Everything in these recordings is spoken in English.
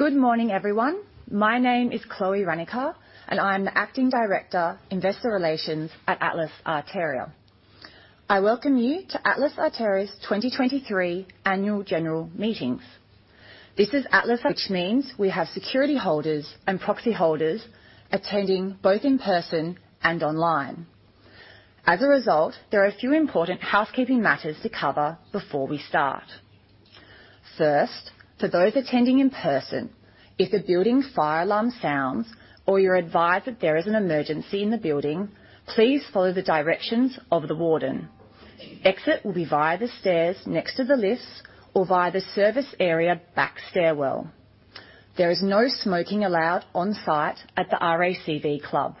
Good morning, everyone. My name is Chloe Ranicar, I'm the Acting Director, Investor Relations at Atlas Arteria. I welcome you to Atlas Arteria's 2023 Annual General Meetings. This is Atlas, which means we have security holders and proxy holders attending both in person and online. As a result, there are a few important housekeeping matters to cover before we start. First, for those attending in person, if the building fire alarm sounds or you're advised that there is an emergency in the building, please follow the directions of the warden. Exit will be via the stairs next to the lifts or via the service area back stairwell. There is no smoking allowed on site at the RACV Club.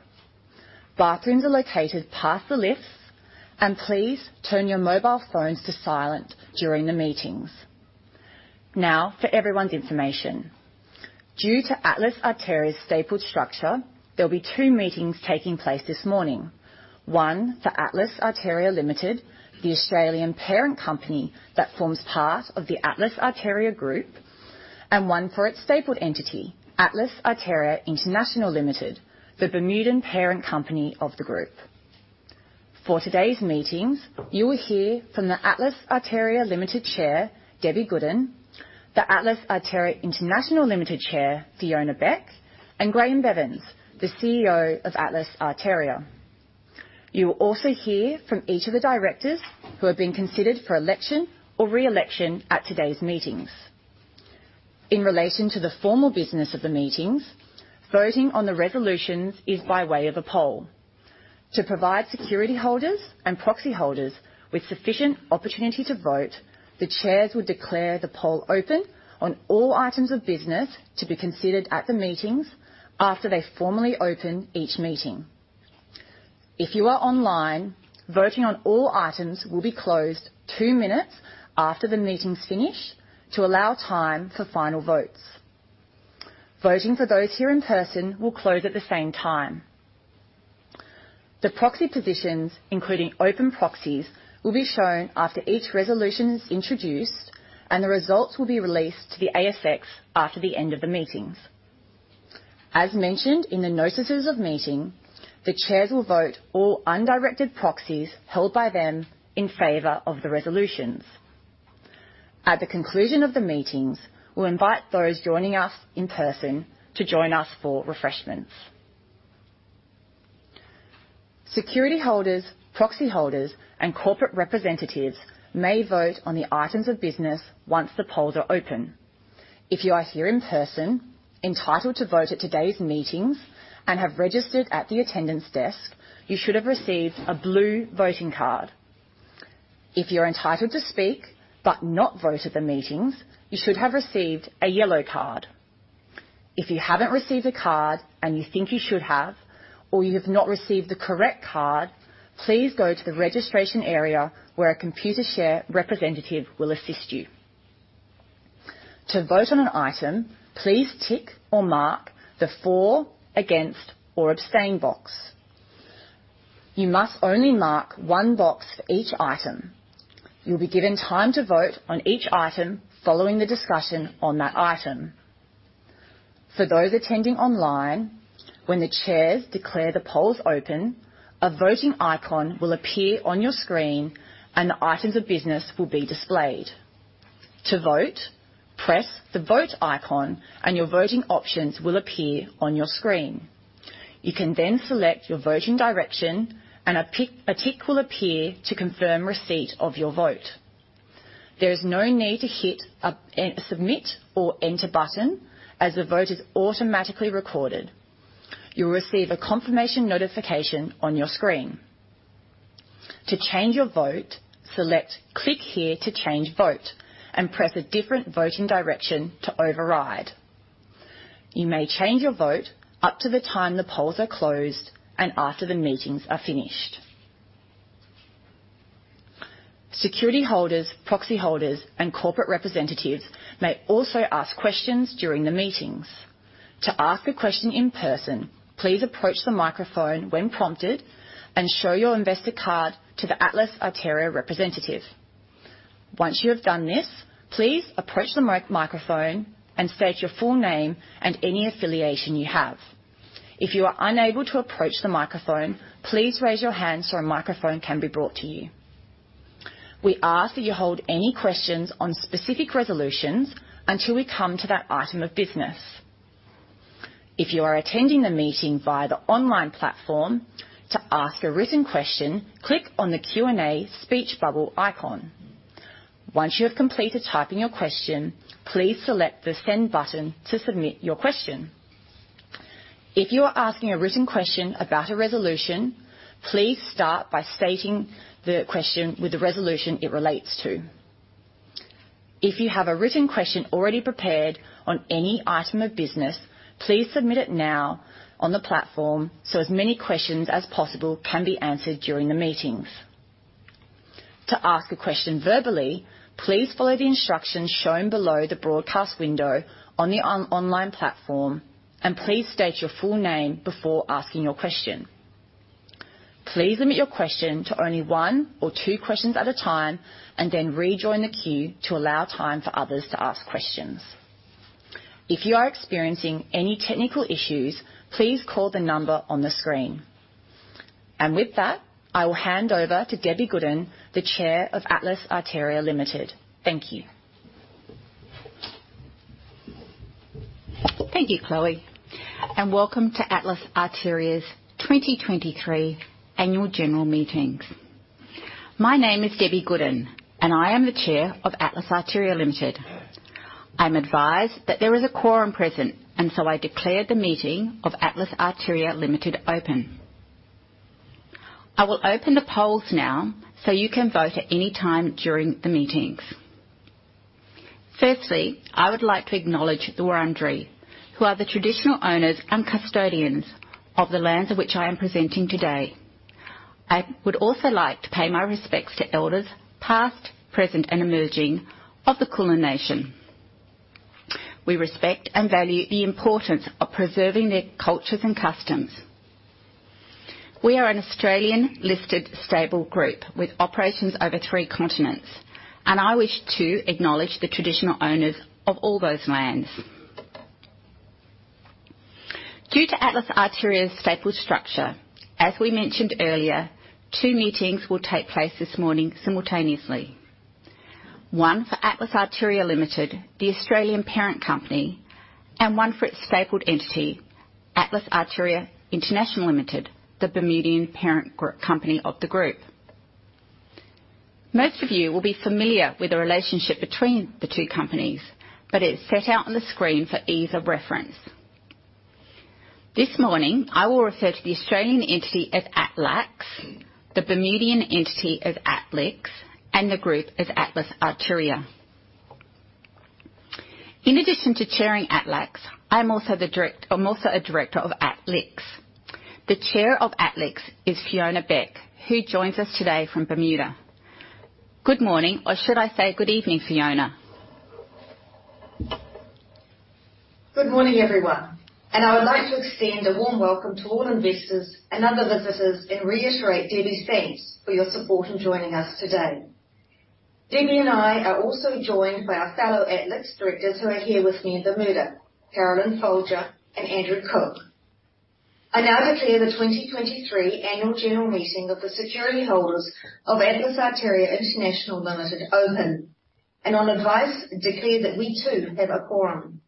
Bathrooms are located past the lifts, please turn your mobile phones to silent during the meetings. Now, for everyone's information. Due to Atlas Arteria's stapled structure, there'll be 2 meetings taking place this morning. One for Atlas Arteria Limited, the Australian parent company that forms part of the Atlas Arteria Group, and one for its stapled entity, Atlas Arteria International Limited, the Bermudan parent company of the group. For today's meetings, you will hear from the Atlas Arteria Limited Chair, Debbie Goodin, the Atlas Arteria International Limited Chair, Fiona Beck, and Graeme Bevans, the CEO of Atlas Arteria. You will also hear from each of the directors who have been considered for election or re-election at today's meetings. In relation to the formal business of the meetings, voting on the resolutions is by way of a poll. To provide security holders and proxy holders with sufficient opportunity to vote, the Chairs will declare the poll open on all items of business to be considered at the meetings after they formally open each meeting. If you are online, voting on all items will be closed two minutes after the meetings finish to allow time for final votes. Voting for those here in person will close at the same time. The proxy positions, including open proxies, will be shown after each resolution is introduced, and the results will be released to the ASX after the end of the meetings. As mentioned in the notices of meeting, the Chairs will vote all undirected proxies held by them in favour of the resolutions. At the conclusion of the meetings, we'll invite those joining us in person to join us for refreshments. Security holders, proxy holders, and corporate representatives may vote on the items of business once the polls are open. If you are here in person, entitled to vote at today's meetings, and have registered at the attendance desk, you should have received a blue voting card. If you're entitled to speak, but not vote at the meetings, you should have received a yellow card. If you haven't received a card and you think you should have, or you have not received the correct card, please go to the registration area, where a Computershare representative will assist you. To vote on an item, please tick or mark the For, Against, or Abstain box. You must only mark one box for each item. You'll be given time to vote on each item following the discussion on that item. For those attending online, when the chairs declare the polls open, a voting icon will appear on your screen, and the items of business will be displayed. To vote, press the Vote icon, and your voting options will appear on your screen. You can then select your voting direction, and a tick will appear to confirm receipt of your vote. There is no need to hit a Submit or Enter button, as the vote is automatically recorded. You'll receive a confirmation notification on your screen. To change your vote, select Click here to change vote, and press a different voting direction to override. You may change your vote up to the time the polls are closed and after the meetings are finished. Security holders, proxy holders, and corporate representatives may also ask questions during the meetings. To ask a question in person, please approach the microphone when prompted and show your investor card to the Atlas Arteria representative. Once you have done this, please approach the microphone and state your full name and any affiliation you have. If you are unable to approach the microphone, please raise your hand so a microphone can be brought to you. We ask that you hold any questions on specific resolutions until we come to that item of business. If you are attending the meeting via the online platform, to ask a written question, click on the Q&A speech bubble icon. Once you have completed typing your question, please select the Send button to submit your question. If you are asking a written question about a resolution, please start by stating the question with the resolution it relates to. If you have a written question already prepared on any item of business, please submit it now on the platform so as many questions as possible can be answered during the meetings. To ask a question verbally, please follow the instructions shown below the broadcast window on the online platform, please state your full name before asking your question. Please limit your question to only one or two questions at a time, then rejoin the queue to allow time for others to ask questions. If you are experiencing any technical issues, please call the number on the screen. With that, I will hand over to Debbie Goodin, the Chair of Atlas Arteria Limited. Thank you. Thank you, Chloe, and welcome to Atlas Arteria's 2023 annual general meetings. My name is Debbie Goodin, and I am the chair of Atlas Arteria Limited. I'm advised that there is a quorum present, and so I declare the meeting of Atlas Arteria Limited open. I will open the polls now, so you can vote at any time during the meetings. Firstly, I would like to acknowledge the Wurundjeri, who are the traditional owners and custodians of the lands of which I am presenting today. I would also like to pay my respects to elders, past, present, and emerging of the Kulin Nation. We respect and value the importance of preserving their cultures and customs. We are an Australian-listed, stable group with operations over 3 continents, and I wish to acknowledge the traditional owners of all those lands. Due to Atlas Arteria's stapled structure, as we mentioned earlier, two meetings will take place this morning simultaneously. One for Atlas Arteria Limited, the Australian parent company, and one for its stapled entity, Atlas Arteria International Limited, the Bermudian parent company of the group. Most of you will be familiar with the relationship between the two companies, it's set out on the screen for ease of reference. This morning, I will refer to the Australian entity as ATLAX, the Bermudian entity as ATLIX, and the group as Atlas Arteria. In addition to chairing ATLAX, I'm also a director of ATLIX. The chair of ATLIX is Fiona Beck, who joins us today from Bermuda. Good morning, or should I say good evening, Fiona? Good morning, everyone. I would like to extend a warm welcome to all investors and other visitors, and reiterate Debbie's thanks for your support in joining us today. Debbie and I are also joined by our fellow ATLIX directors who are here with me in Bermuda, Caroline Folger and Andrew Cook. I now declare the 2023 annual general meeting of the security holders of Atlas Arteria International Limited open. On advice, declare that we, too, have a quorum.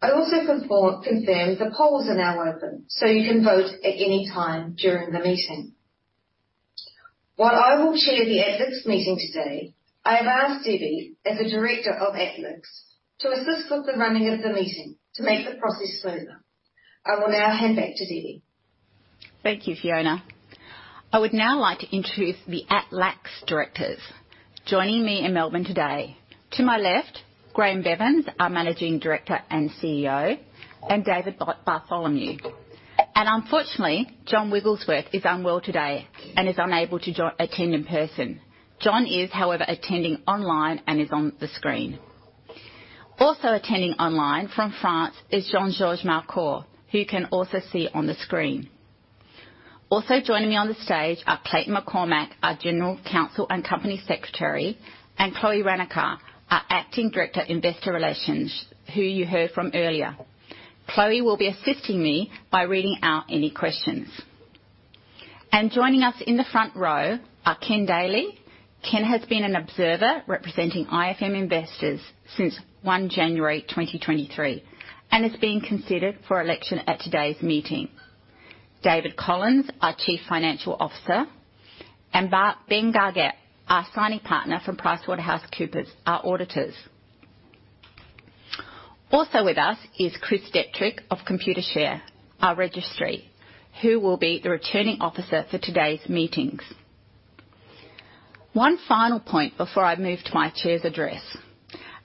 I also confirm the polls are now open. You can vote at any time during the meeting. While I will chair the ATLIX meeting today, I have asked Debbie, as a director of ATLIX, to assist with the running of the meeting to make the process smoother. I will now hand back to Debbie. Thank you, Fiona. I would now like to introduce the ATLAX directors. Joining me in Melbourne today, to my left, Graeme Bevans, our Managing Director and CEO, and David Bartholomew. Unfortunately, John Wigglesworth is unwell today and is unable to attend in person. John is, however, attending online and is on the screen. Also attending online from France is Jean-Georges Malcor, who you can also see on the screen. Also joining me on the stage are Clayton McCormack, our General Counsel and Company Secretary, and Chloe Ranicar, our Acting Director, Investor Relations, who you heard from earlier. Chloe will be assisting me by reading out any questions. Joining us in the front row are Ken Daley. Ken has been an observer representing IFM Investors since 1 January 2023 and is being considered for election at today's meeting. David Collins, our Chief Financial Officer, Ben Gargett, our signing partner from PricewaterhouseCoopers, our auditors. Also with us is Chris Dettrick of Computershare, our registry, who will be the Returning Officer for today's meetings. One final point before I move to my chair's address.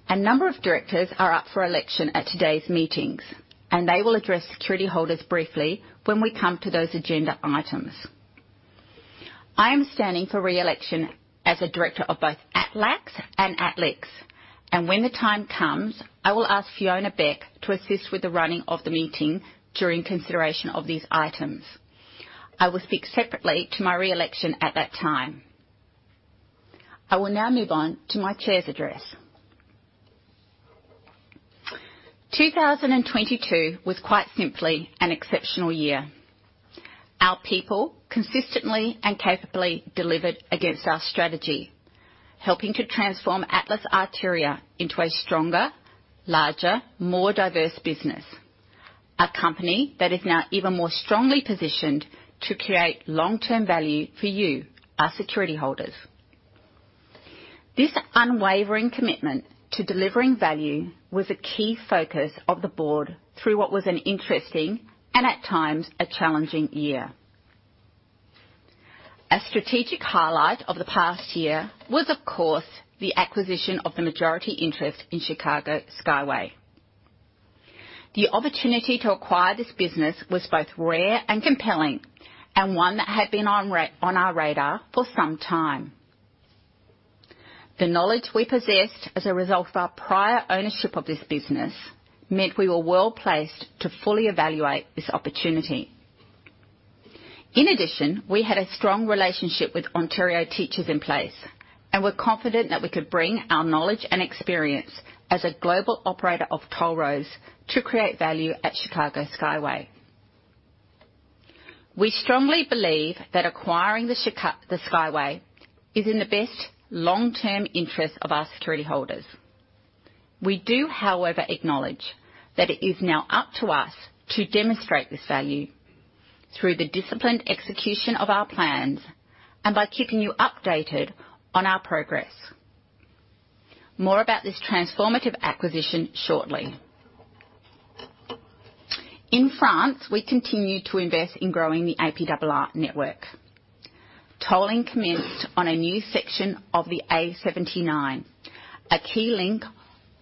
A number of directors are up for election at today's meetings, and they will address security holders briefly when we come to those agenda items. I am standing for re-election as a director of both ATLAX and ATLIX, and when the time comes, I will ask Fiona Beck to assist with the running of the meeting during consideration of these items. I will speak separately to my re-election at that time. I will now move on to my chair's address. 2022 was quite simply an exceptional year. Our people consistently and capably delivered against our strategy, helping to transform Atlas Arteria into a stronger, larger, more diverse business. A company that is now even more strongly positioned to create long-term value for you, our security holders. This unwavering commitment to delivering value was a key focus of the board through what was an interesting and at times, a challenging year. A strategic highlight of the past year was, of course, the acquisition of the majority interest in Chicago Skyway. The opportunity to acquire this business was both rare and compelling, and one that had been on our radar for some time. The knowledge we possessed as a result of our prior ownership of this business, meant we were well-placed to fully evaluate this opportunity. In addition, we had a strong relationship with Ontario Teachers' in place, we're confident that we could bring our knowledge and experience as a global operator of toll roads to create value at Chicago Skyway. We strongly believe that acquiring the Skyway is in the best long-term interest of our security holders. We do, however, acknowledge that it is now up to us to demonstrate this value through the disciplined execution of our plans and by keeping you updated on our progress. More about this transformative acquisition shortly. In France, we continue to invest in growing the APRR network. Tolling commenced on a new section of the A79, a key link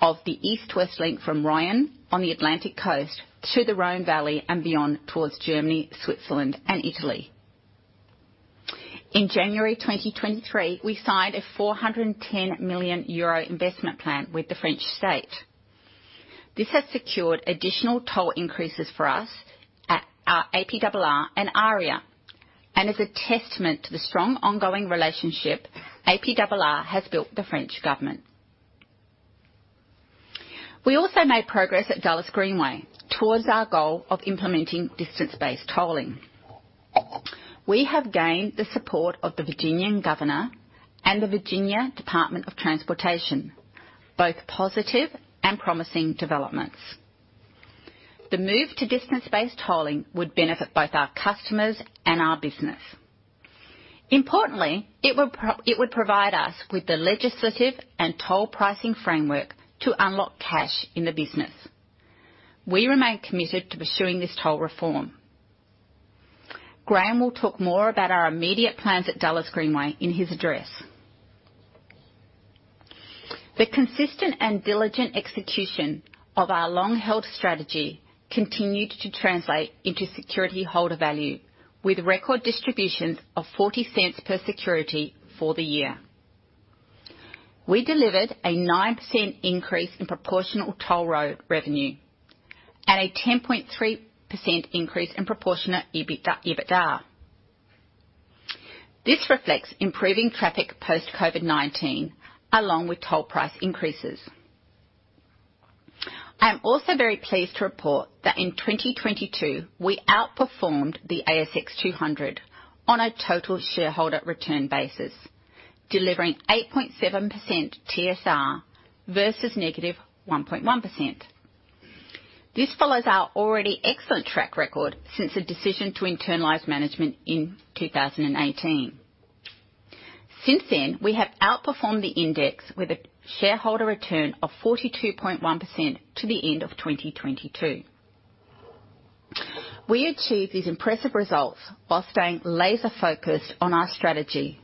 of the East-West link from Ryan on the Atlantic Coast to the Rhine Valley and beyond, towards Germany, Switzerland and Italy. In January 2023, we signed a 410 million euro investment plan with the French State. This has secured additional toll increases for us at APRR and AREA, is a testament to the strong, ongoing relationship APRR has built with the French government. We also made progress at Dulles Greenway towards our goal of implementing distance-based tolling. We have gained the support of the Virginian governor and the Virginia Department of Transportation, both positive and promising developments. The move to distance-based tolling would benefit both our customers and our business. Importantly, it would provide us with the legislative and toll pricing framework to unlock cash in the business. We remain committed to pursuing this toll reform. Graeme will talk more about our immediate plans at Dulles Greenway in his address. The consistent and diligent execution of our long-held strategy continued to translate into security holder value, with record distributions of 0.40 per security for the year. We delivered a 9% increase in proportional toll road revenue and a 10.3% increase in proportionate EBITDA. This reflects improving traffic post-COVID-19, along with toll price increases. I am also very pleased to report that in 2022, we outperformed the ASX 200 on a total shareholder return basis, delivering 8.7% TSR versus -1.1%. This follows our already excellent track record since the decision to internalise management in 2018. Since then, we have outperformed the index with a shareholder return of 42.1% to the end of 2022. We achieved these impressive results while staying laser focused on our strategy,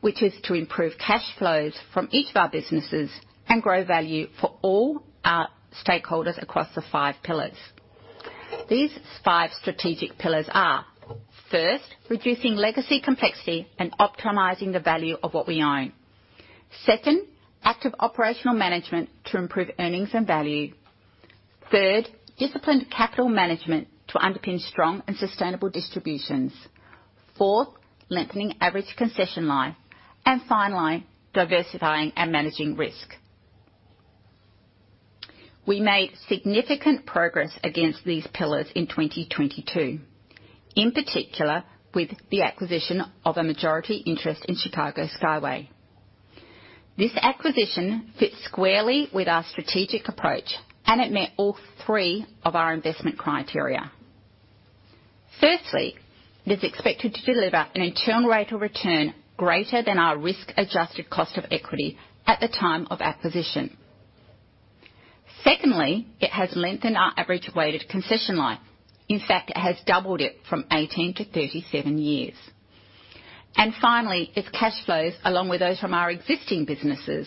which is to improve cash flows from each of our businesses and grow value for all our stakeholders across the five pillars. These five strategic pillars are: first, reducing legacy complexity and optimising the value of what we own; second, active operational management to improve earnings and value; third, disciplined capital management to underpin strong and sustainable distributions; fourth, lengthening average concession life; and finally, diversifying and managing risk. We made significant progress against these pillars in 2022, in particular with the acquisition of a majority interest in Chicago Skyway. This acquisition fits squarely with our strategic approach, and it met all three of our investment criteria. Firstly, it is expected to deliver an internal rate of return greater than our risk-adjusted cost of equity at the time of acquisition. Secondly, it has lengthened our average weighted concession life. In fact, it has doubled it from 18 to 37 years. Finally, its cash flows, along with those from our existing businesses,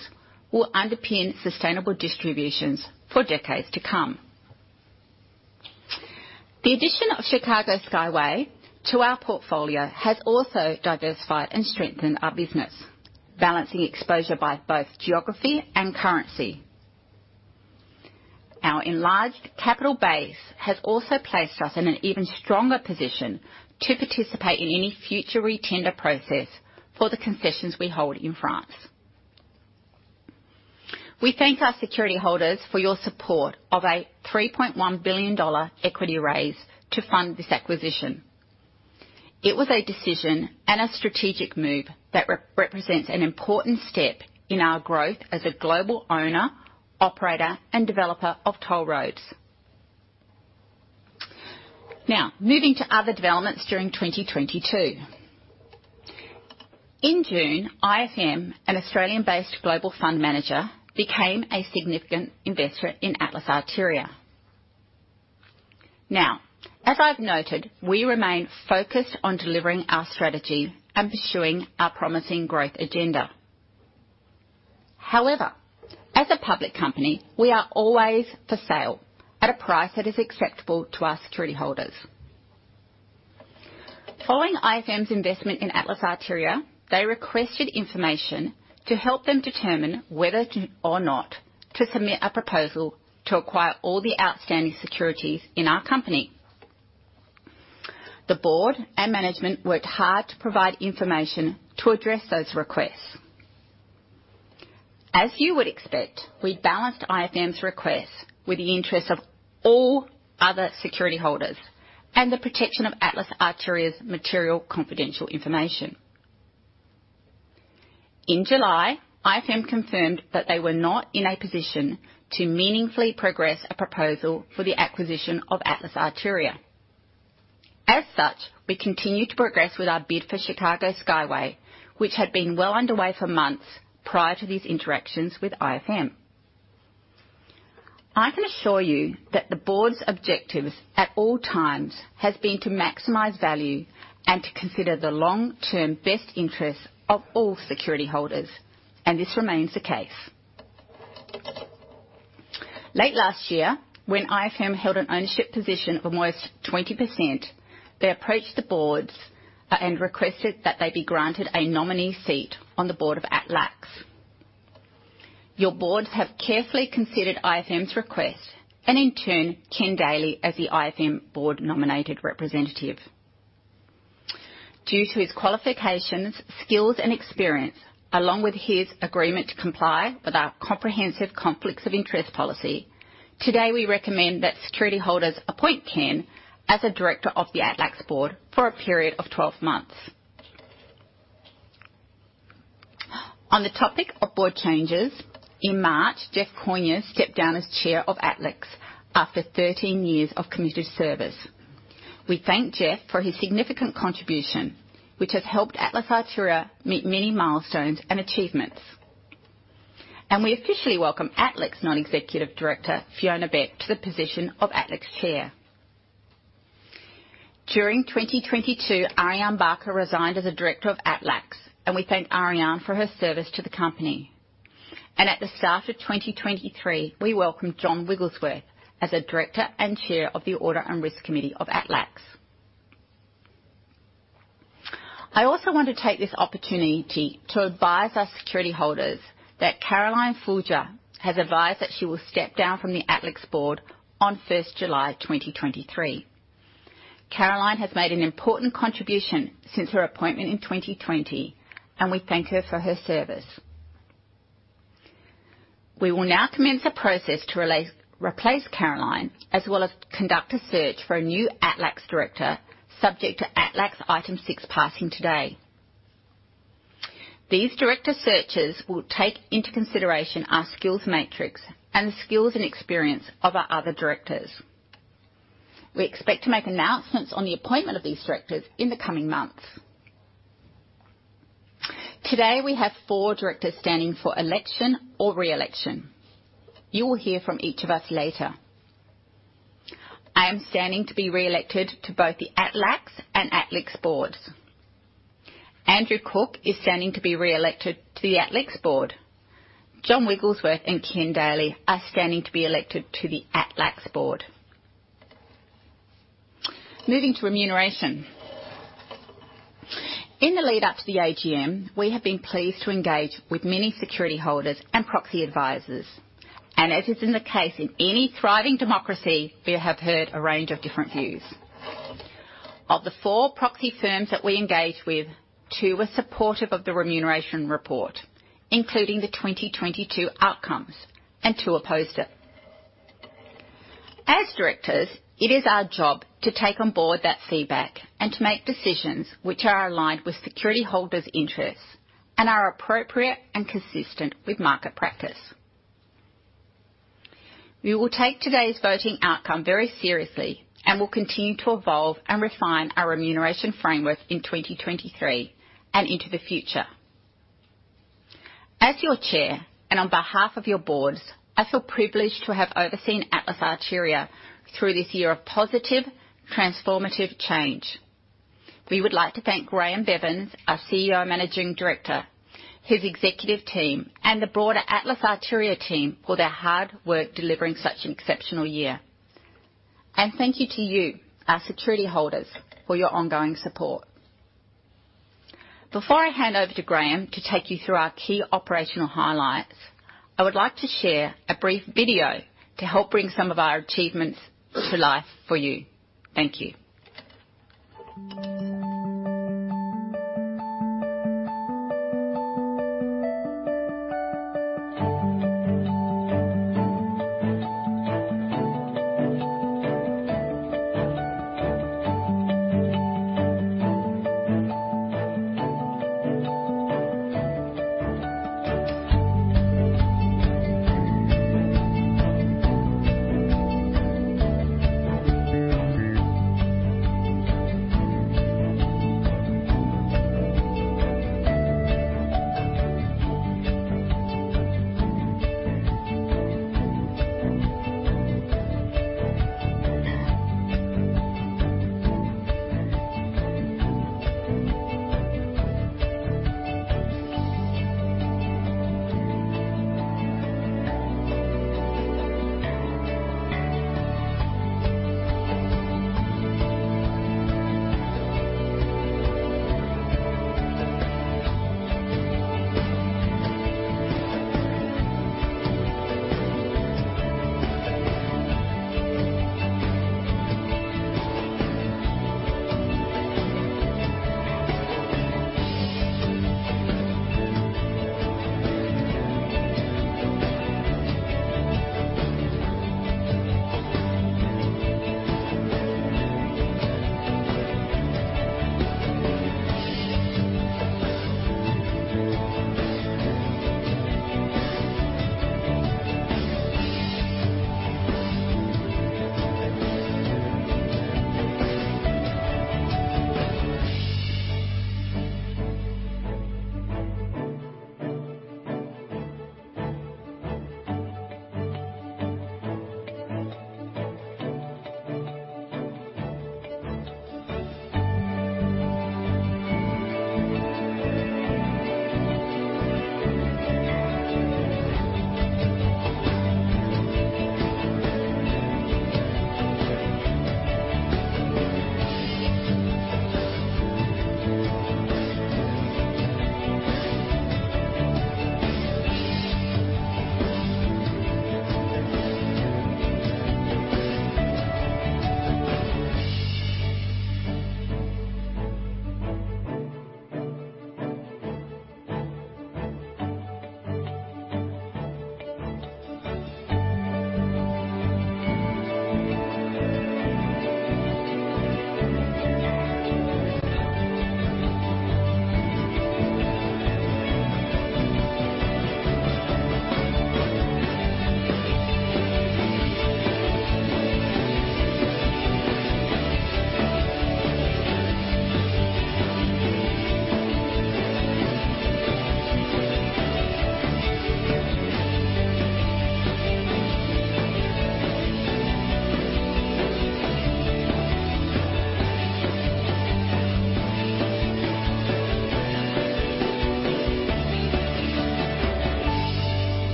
will underpin sustainable distributions for decades to come. The addition of Chicago Skyway to our portfolio has also diversified and strengthened our business, balancing exposure by both geography and currency. Our enlarged capital base has also placed us in an even stronger position to participate in any future retender process for the concessions we hold in France. We thank our security holders for your support of a $3.1 billion equity raise to fund this acquisition. It was a decision and a strategic move that represents an important step in our growth as a global owner, operator and developer of toll roads. Now, moving to other developments during 2022. In June, IFM, an Australian-based global fund manager, became a significant investor in Atlas Arteria. As I've noted, we remain focused on delivering our strategy and pursuing our promising growth agenda. As a public company, we are always for sale at a price that is acceptable to our security holders. Following IFM's investment in Atlas Arteria, they requested information to help them determine whether to or not to submit a proposal to acquire all the outstanding securities in our company. The board and management worked hard to provide information to address those requests. As you would expect, we balanced IFM's requests with the interests of all other security holders and the protection of Atlas Arteria's material confidential information. In July, IFM confirmed that they were not in a position to meaningfully progress a proposal for the acquisition of Atlas Arteria. As such, we continued to progress with our bid for Chicago Skyway, which had been well underway for months prior to these interactions with IFM. I can assure you that the board's objectives at all times has been to maximize value and to consider the long-term best interests of all security holders, and this remains the case. Late last year, when IFM held an ownership position of almost 20%, they approached the boards and requested that they be granted a nominee seat on the board of ATLAX. Your boards have carefully considered IFM's request and, in turn, Ken Daley as the IFM board-nominated representative. Due to his qualifications, skills, and experience, along with his agreement to comply with our comprehensive conflicts of interest policy, today, we recommend that security holders appoint Ken as a director of the ATLAX board for a period of 12 months. On the topic of board changes, in March, Geoff Cosier stepped down as Chair of ATLAX after 13 years of committed service. We thank Geoff for his significant contribution, which has helped Atlas Arteria meet many milestones and achievements. We officially welcome ATLIX Non-executive Director, Fiona Beck, to the position of ATLIX Chair. During 2022, Ariane Barker resigned as a Director of ATLAX, and we thank Ariane for her service to the company. At the start of 2023, we welcomed John Wigglesworth as a Director and Chair of the Audit and Risk Committee of ATLAX. I also want to take this opportunity to advise our security holders that Caroline Folger has advised that she will step down from the ATLIX board on July 1, 2023. Caroline has made an important contribution since her appointment in 2020, and we thank her for her service. We will now commence a process to replace Caroline, as well as conduct a search for a new ATLAX Director, subject to ATLAX Item 6 passing today. These Director searches will take into consideration our skills matrix and the skills and experience of our other Directors. We expect to make announcements on the appointment of these Directors in the coming months. Today, we have four Directors standing for election or re-election. You will hear from each of us later. I am standing to be re-elected to both the ATLAX and ATLIX boards. Andrew Cook is standing to be re-elected to the ATLIX board. John Wigglesworth and Ken Daley are standing to be elected to the ATLAX board. Moving to remuneration. In the lead up to the AGM, we have been pleased to engage with many security holders and proxy advisors, and as is in the case in any thriving democracy, we have heard a range of different views. Of the four proxy firms that we engaged with, two were supportive of the remuneration report, including the 2022 outcomes, and two opposed it. As directors, it is our job to take on board that feedback and to make decisions which are aligned with security holders' interests and are appropriate and consistent with market practice. We will take today's voting outcome very seriously and will continue to evolve and refine our remuneration framework in 2023 and into the future. As your Chair, and on behalf of your boards, I feel privileged to have overseen Atlas Arteria through this year of positive, transformative change. We would like to thank Graeme Bevans, our CEO, Managing Director, his executive team, and the broader Atlas Arteria team for their hard work delivering such an exceptional year. Thank you to you, our security holders, for your ongoing support. Before I hand over to Graeme to take you through our key operational highlights, I would like to share a brief video to help bring some of our achievements to life for you. Thank you.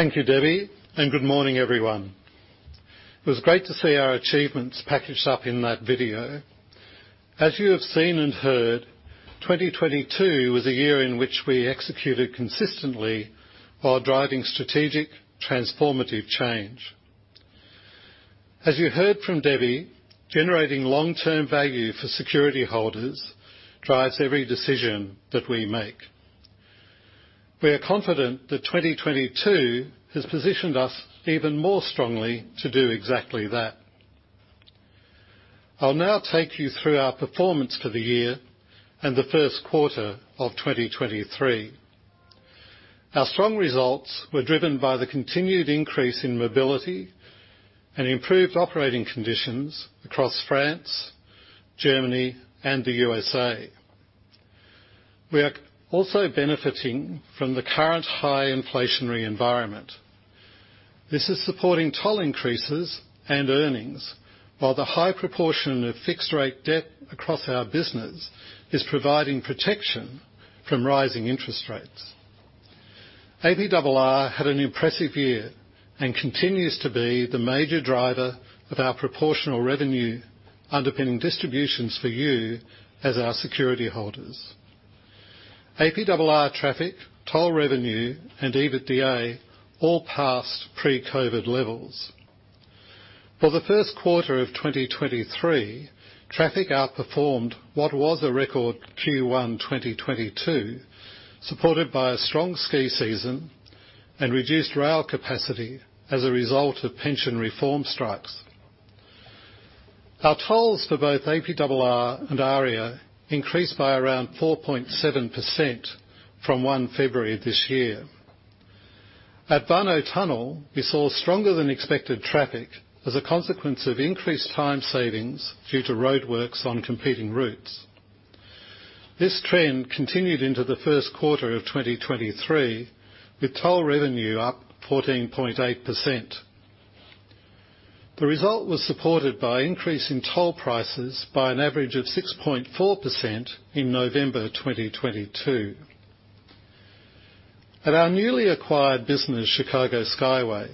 Thank you, Debbie. Good morning, everyone. It was great to see our achievements packaged up in that video. As you have seen and heard, 2022 was a year in which we executed consistently while driving strategic transformative change. As you heard from Debbie, generating long-term value for security holders drives every decision that we make. We are confident that 2022 has positioned us even more strongly to do exactly that. I'll now take you through our performance for the year and the Q1 of 2023. Our strong results were driven by the continued increase in mobility and improved operating conditions across France, Germany and the USA. We are also benefiting from the current high inflationary environment. This is supporting toll increases and earnings, while the high proportion of fixed rate debt across our business is providing protection from rising interest rates. APRR had an impressive year and continues to be the major driver of our proportional revenue, underpinning distributions for you as our security holders. APRR traffic, toll revenue, and EBITDA all passed pre-COVID levels. For the Q1 of 2023, traffic outperformed what was a record Q1 2022, supported by a strong ski season and reduced rail capacity as a result of pension reform strikes. Our tolls for both APRR and AREA increased by around 4.7% from 1 February of this year. At Warnow Tunnel, we saw stronger than expected traffic as a consequence of increased time savings due to roadworks on competing routes. This trend continued into the Q1 of 2023, with toll revenue up 14.8%. The result was supported by increase in toll prices by an average of 6.4% in November 2022. At our newly acquired business, Chicago Skyway,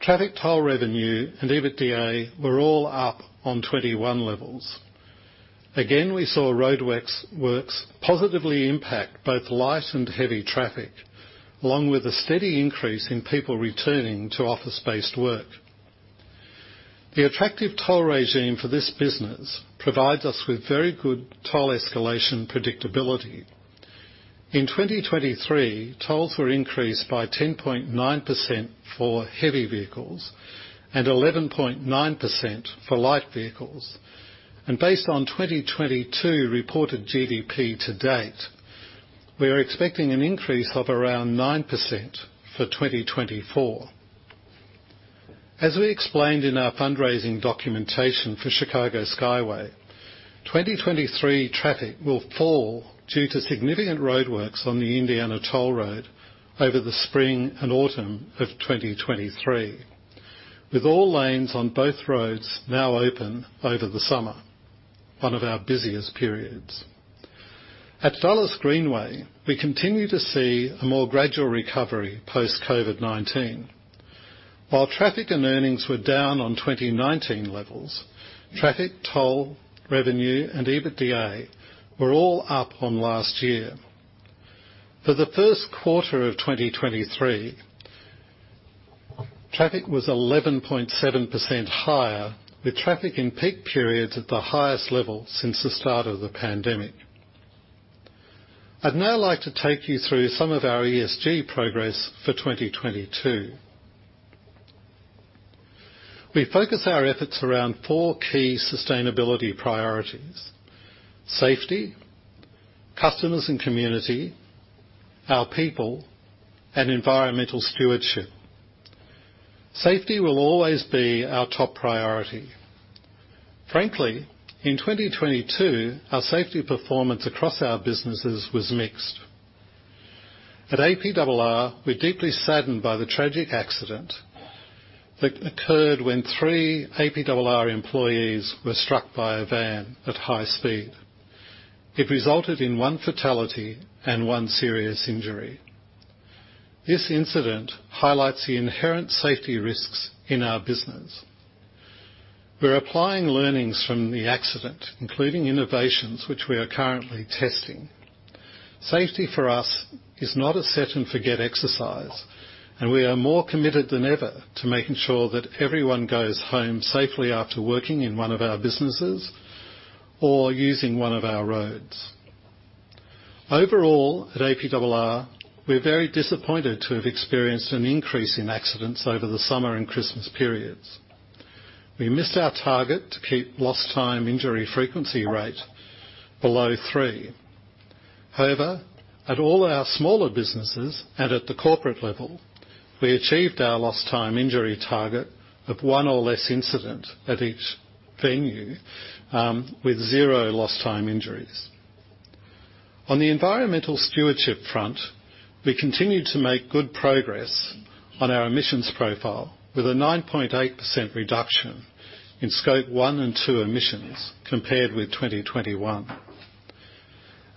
traffic toll revenue and EBITDA were all up on 2021 levels. Again, we saw roadworks positively impact both light and heavy traffic, along with a steady increase in people returning to office-based work. The attractive toll regime for this business provides us with very good toll escalation predictability. In 2023, tolls were increased by 10.9% for heavy vehicles and 11.9% for light vehicles. Based on 2022 reported GDP to date, we are expecting an increase of around 9% for 2024. As we explained in our fundraising documentation for Chicago Skyway, 2023 traffic will fall due to significant roadworks on the Indiana Toll Road over the spring and autumn of 2023, with all lanes on both roads now open over the summer, one of our busiest periods. At Dulles Greenway, we continue to see a more gradual recovery post-COVID-19. While traffic and earnings were down on 2019 levels, traffic, toll, revenue, and EBITDA were all up on last year. For the Q1 of 2023, traffic was 11.7% higher, with traffic in peak periods at the highest level since the start of the pandemic. I'd now like to take you through some of our ESG progress for 2022. We focus our efforts around four key sustainability priorities: safety, customers and community, our people, and environmental stewardship. Safety will always be our top priority. Frankly, in 2022, our safety performance across our businesses was mixed. At APRR, we're deeply saddened by the tragic accident that occurred when three APRR employees were struck by a van at high speed. It resulted in one fatality and one serious injury. This incident highlights the inherent safety risks in our business. We're applying learnings from the accident, including innovations which we are currently testing. Safety for us is not a set-and-forget exercise, and we are more committed than ever to making sure that everyone goes home safely after working in one of our businesses or using one of our roads. Overall, at APRR, we're very disappointed to have experienced an increase in accidents over the summer and Christmas periods. We missed our target to keep lost time injury frequency rate below 3. At all our smaller businesses and at the corporate level, we achieved our lost time injury target of 1 or less incident at each venue with 0 lost time injuries. On the environmental stewardship front, we continued to make good progress on our emissions profile, with a 9.8% reduction in Scope 1 and 2 emissions compared with 2021.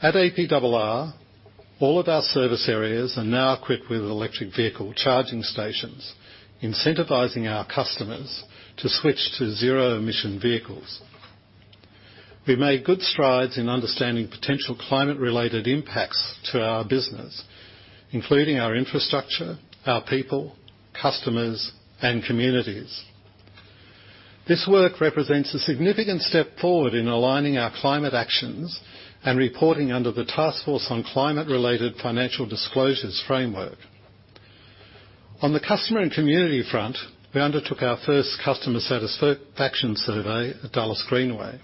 At APRR, all of our service areas are now equipped with electric vehicle charging stations, incentivizing our customers to switch to zero-emission vehicles. We've made good strides in understanding potential climate-related impacts to our business, including our infrastructure, our people, customers, and communities. This work represents a significant step forward in aligning our climate actions and reporting under the Task Force on Climate-related Financial Disclosures framework. On the customer and community front, we undertook our first customer satisfaction survey at Dulles Greenway.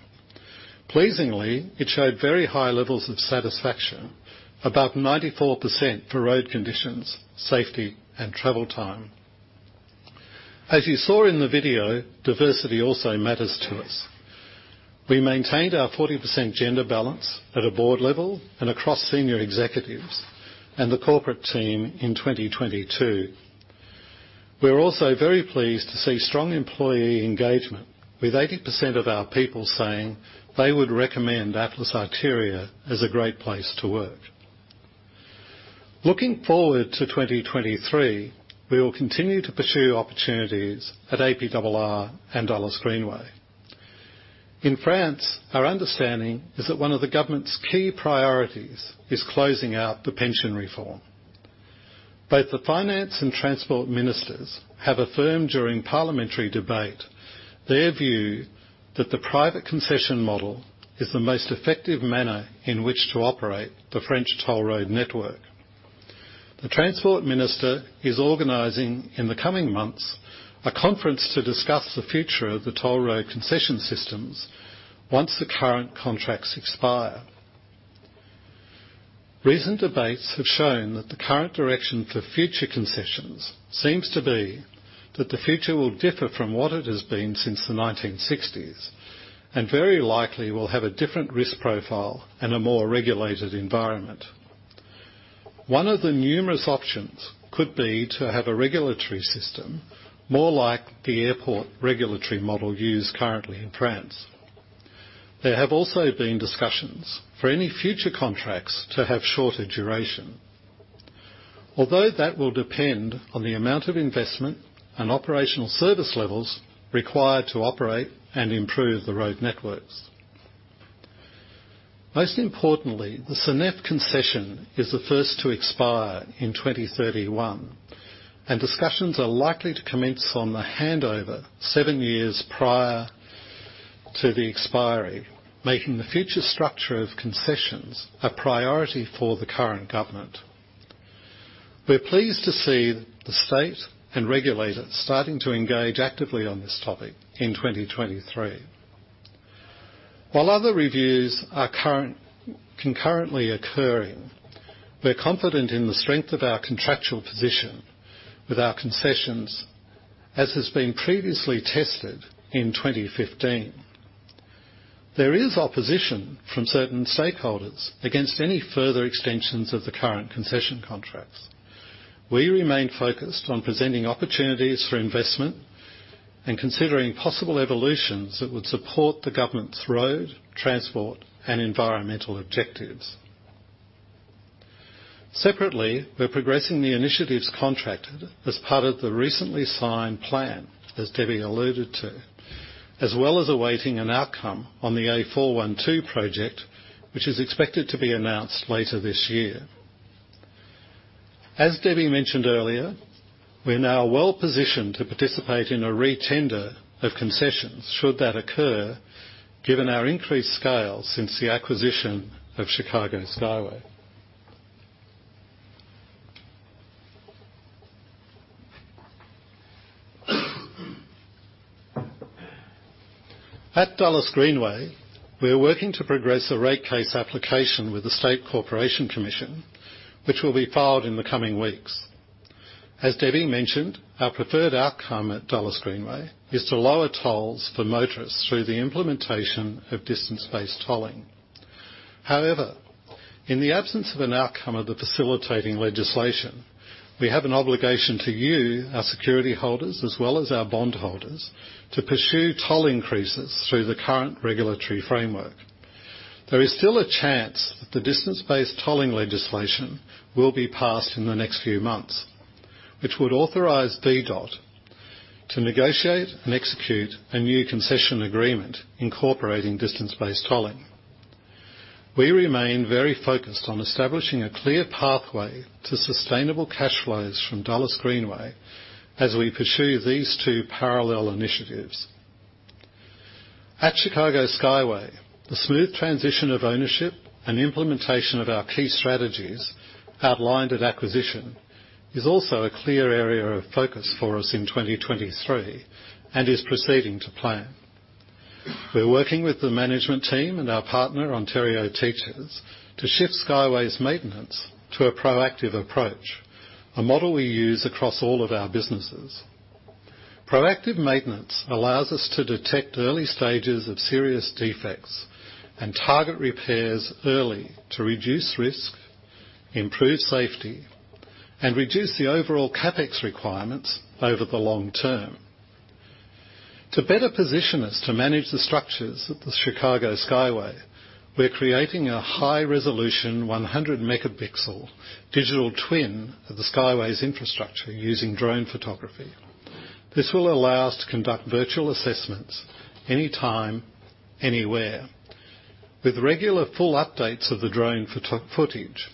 Pleasingly, it showed very high levels of satisfaction, about 94% for road conditions, safety, and travel time. As you saw in the video, diversity also matters to us. We maintained our 40% gender balance at a board level and across senior executives and the corporate team in 2022. We're also very pleased to see strong employee engagement, with 80% of our people saying they would recommend Atlas Arteria as a great place to work. Looking forward to 2023, we will continue to pursue opportunities at APRR and Dulles Greenway. In France, our understanding is that one of the government's key priorities is closing out the pension reform. Both the finance and transport ministers have affirmed during parliamentary debate their view that the private concession model is the most effective manner in which to operate the French toll road network. The Transport Minister is organizing, in the coming months, a conference to discuss the future of the toll road concession systems once the current contracts expire. Recent debates have shown that the current direction for future concessions seems to be that the future will differ from what it has been since the 1960s, and very likely will have a different risk profile and a more regulated environment. One of the numerous options could be to have a regulatory system more like the airport regulatory model used currently in France. There have also been discussions for any future contracts to have shorter duration, although that will depend on the amount of investment and operational service levels required to operate and improve the road networks. Most importantly, the SANEF concession is the first to expire in 2031, and discussions are likely to commence on the handover 7 years prior to the expiry, making the future structure of concessions a priority for the current government. We're pleased to see the state and regulators starting to engage actively on this topic in 2023. While other reviews are concurrently occurring, we're confident in the strength of our contractual position with our concessions, as has been previously tested in 2015. There is opposition from certain stakeholders against any further extensions of the current concession contracts. We remain focused on presenting opportunities for investment and considering possible evolutions that would support the government's road, transport, and environmental objectives. Separately, we're progressing the initiatives contracted as part of the recently signed plan, as Debbie alluded to, as well as awaiting an outcome on the A412 project, which is expected to be announced later this year. As Debbie mentioned earlier, we're now well-positioned to participate in a re-tender of concessions should that occur, given our increased scale since the acquisition of Chicago Skyway. At Dulles Greenway, we are working to progress a rate case application with the State Corporation Commission, which will be filed in the coming weeks. As Debbie mentioned, our preferred outcome at Dulles Greenway is to lower tolls for motorists through the implementation of distance-based tolling. In the absence of an outcome of the facilitating legislation, we have an obligation to you, our security holders, as well as our bondholders, to pursue toll increases through the current regulatory framework. There is still a chance that the distance-based tolling legislation will be passed in the next few months, which would authorize VDOT to negotiate and execute a new concession agreement incorporating distance-based tolling. We remain very focused on establishing a clear pathway to sustainable cash flows from Dulles Greenway as we pursue these two parallel initiatives. At Chicago Skyway, the smooth transition of ownership and implementation of our key strategies outlined at acquisition is also a clear area of focus for us in 2023 and is proceeding to plan. We're working with the management team and our partner, Ontario Teachers, to shift Skyway's maintenance to a proactive approach, a model we use across all of our businesses. Proactive maintenance allows us to detect early stages of serious defects and target repairs early to reduce risk, improve safety, and reduce the overall CapEx requirements over the long term. To better position us to manage the structures of the Chicago Skyway, we're creating a high-resolution, 100 megapixel digital twin of the Skyway's infrastructure using drone photography. This will allow us to conduct virtual assessments anytime, anywhere. With regular full updates of the drone photo- footage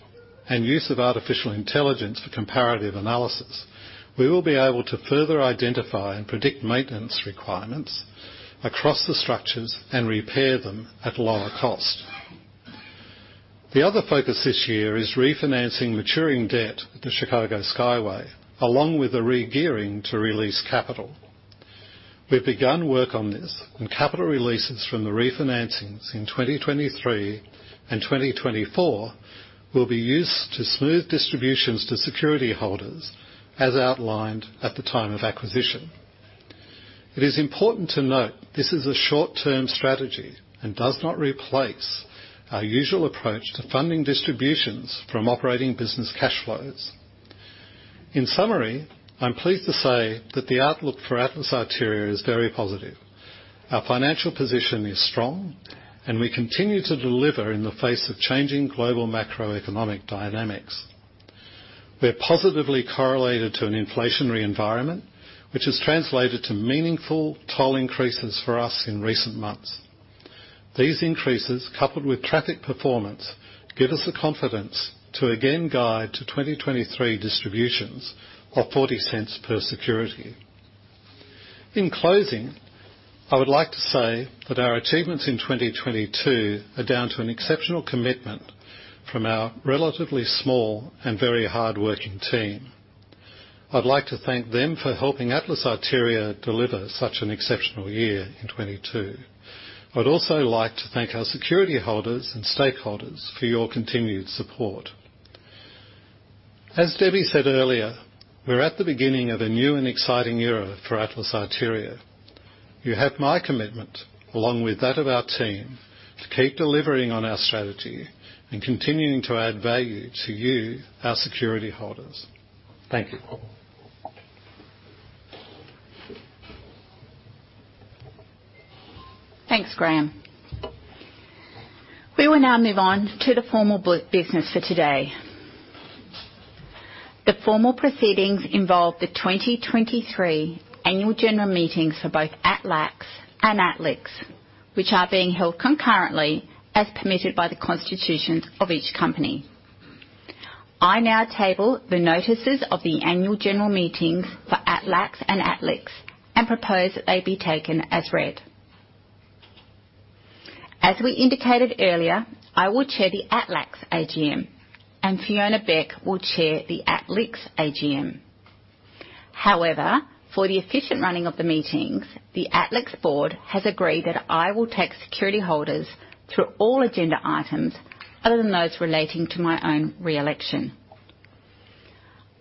and use of artificial intelligence for comparative analysis, we will be able to further identify and predict maintenance requirements across the structures and repair them at lower cost. The other focus this year is refinancing maturing debt at the Chicago Skyway, along with a regearing to release capital. We've begun work on this, and capital releases from the refinancings in 2023 and 2024 will be used to smooth distributions to security holders, as outlined at the time of acquisition. It is important to note this is a short-term strategy and does not replace our usual approach to funding distributions from operating business cash flows. In summary, I'm pleased to say that the outlook for Atlas Arteria is very positive. Our financial position is strong, and we continue to deliver in the face of changing global macroeconomic dynamics. We're positively correlated to an inflationary environment, which has translated to meaningful toll increases for us in recent months. These increases, coupled with traffic performance, give us the confidence to again guide to 2023 distributions of 0.40 per security. In closing, I would like to say that our achievements in 2022 are down to an exceptional commitment from our relatively small and very hardworking team. I'd like to thank them for helping Atlas Arteria deliver such an exceptional year in 2022. I'd also like to thank our security holders and stakeholders for your continued support. As Debbie said earlier, we're at the beginning of a new and exciting era for Atlas Arteria. You have my commitment, along with that of our team, to keep delivering on our strategy and continuing to add value to you, our security holders. Thank you. Thanks, Graeme. We will now move on to the formal business for today. The formal proceedings involve the 2023 annual general meetings for both ATLAX and ATLIX, which are being held concurrently as permitted by the constitutions of each company. I now table the notices of the annual general meetings for ATLAX and ATLIX and propose that they be taken as read. We indicated earlier, I will chair the ATLAX AGM, and Fiona Beck will chair the ATLIX AGM. For the efficient running of the meetings, the ATLAX board has agreed that I will take security holders through all agenda items other than those relating to my own re-election.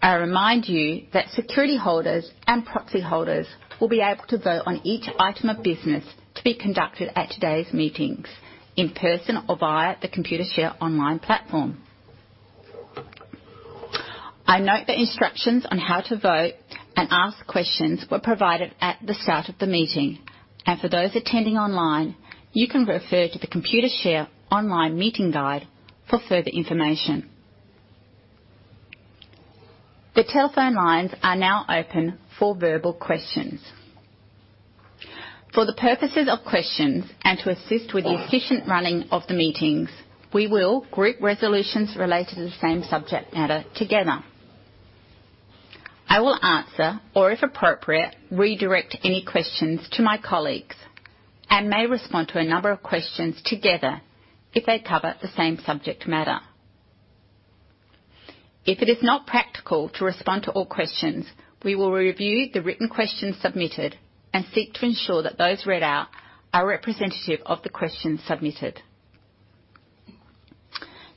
I remind you that security holders and proxy holders will be able to vote on each item of business to be conducted at today's meetings, in person or via the Computershare online platform. I note that instructions on how to vote and ask questions were provided at the start of the meeting, and for those attending online, you can refer to the Computershare online meeting guide for further information. The telephone lines are now open for verbal questions. For the purposes of questions and to assist with the efficient running of the meetings, we will group resolutions related to the same subject matter together. I will answer or, if appropriate, redirect any questions to my colleagues, and may respond to a number of questions together if they cover the same subject matter. If it is not practical to respond to all questions, we will review the written questions submitted and seek to ensure that those read out are representative of the questions submitted.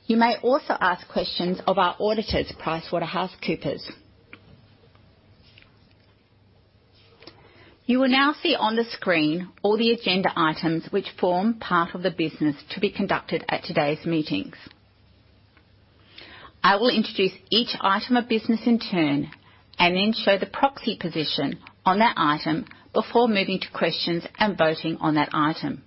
You may also ask questions of our auditors, PricewaterhouseCoopers. You will now see on the screen all the agenda items which form part of the business to be conducted at today's meetings. I will introduce each item of business in turn, then show the proxy position on that item before moving to questions and voting on that item.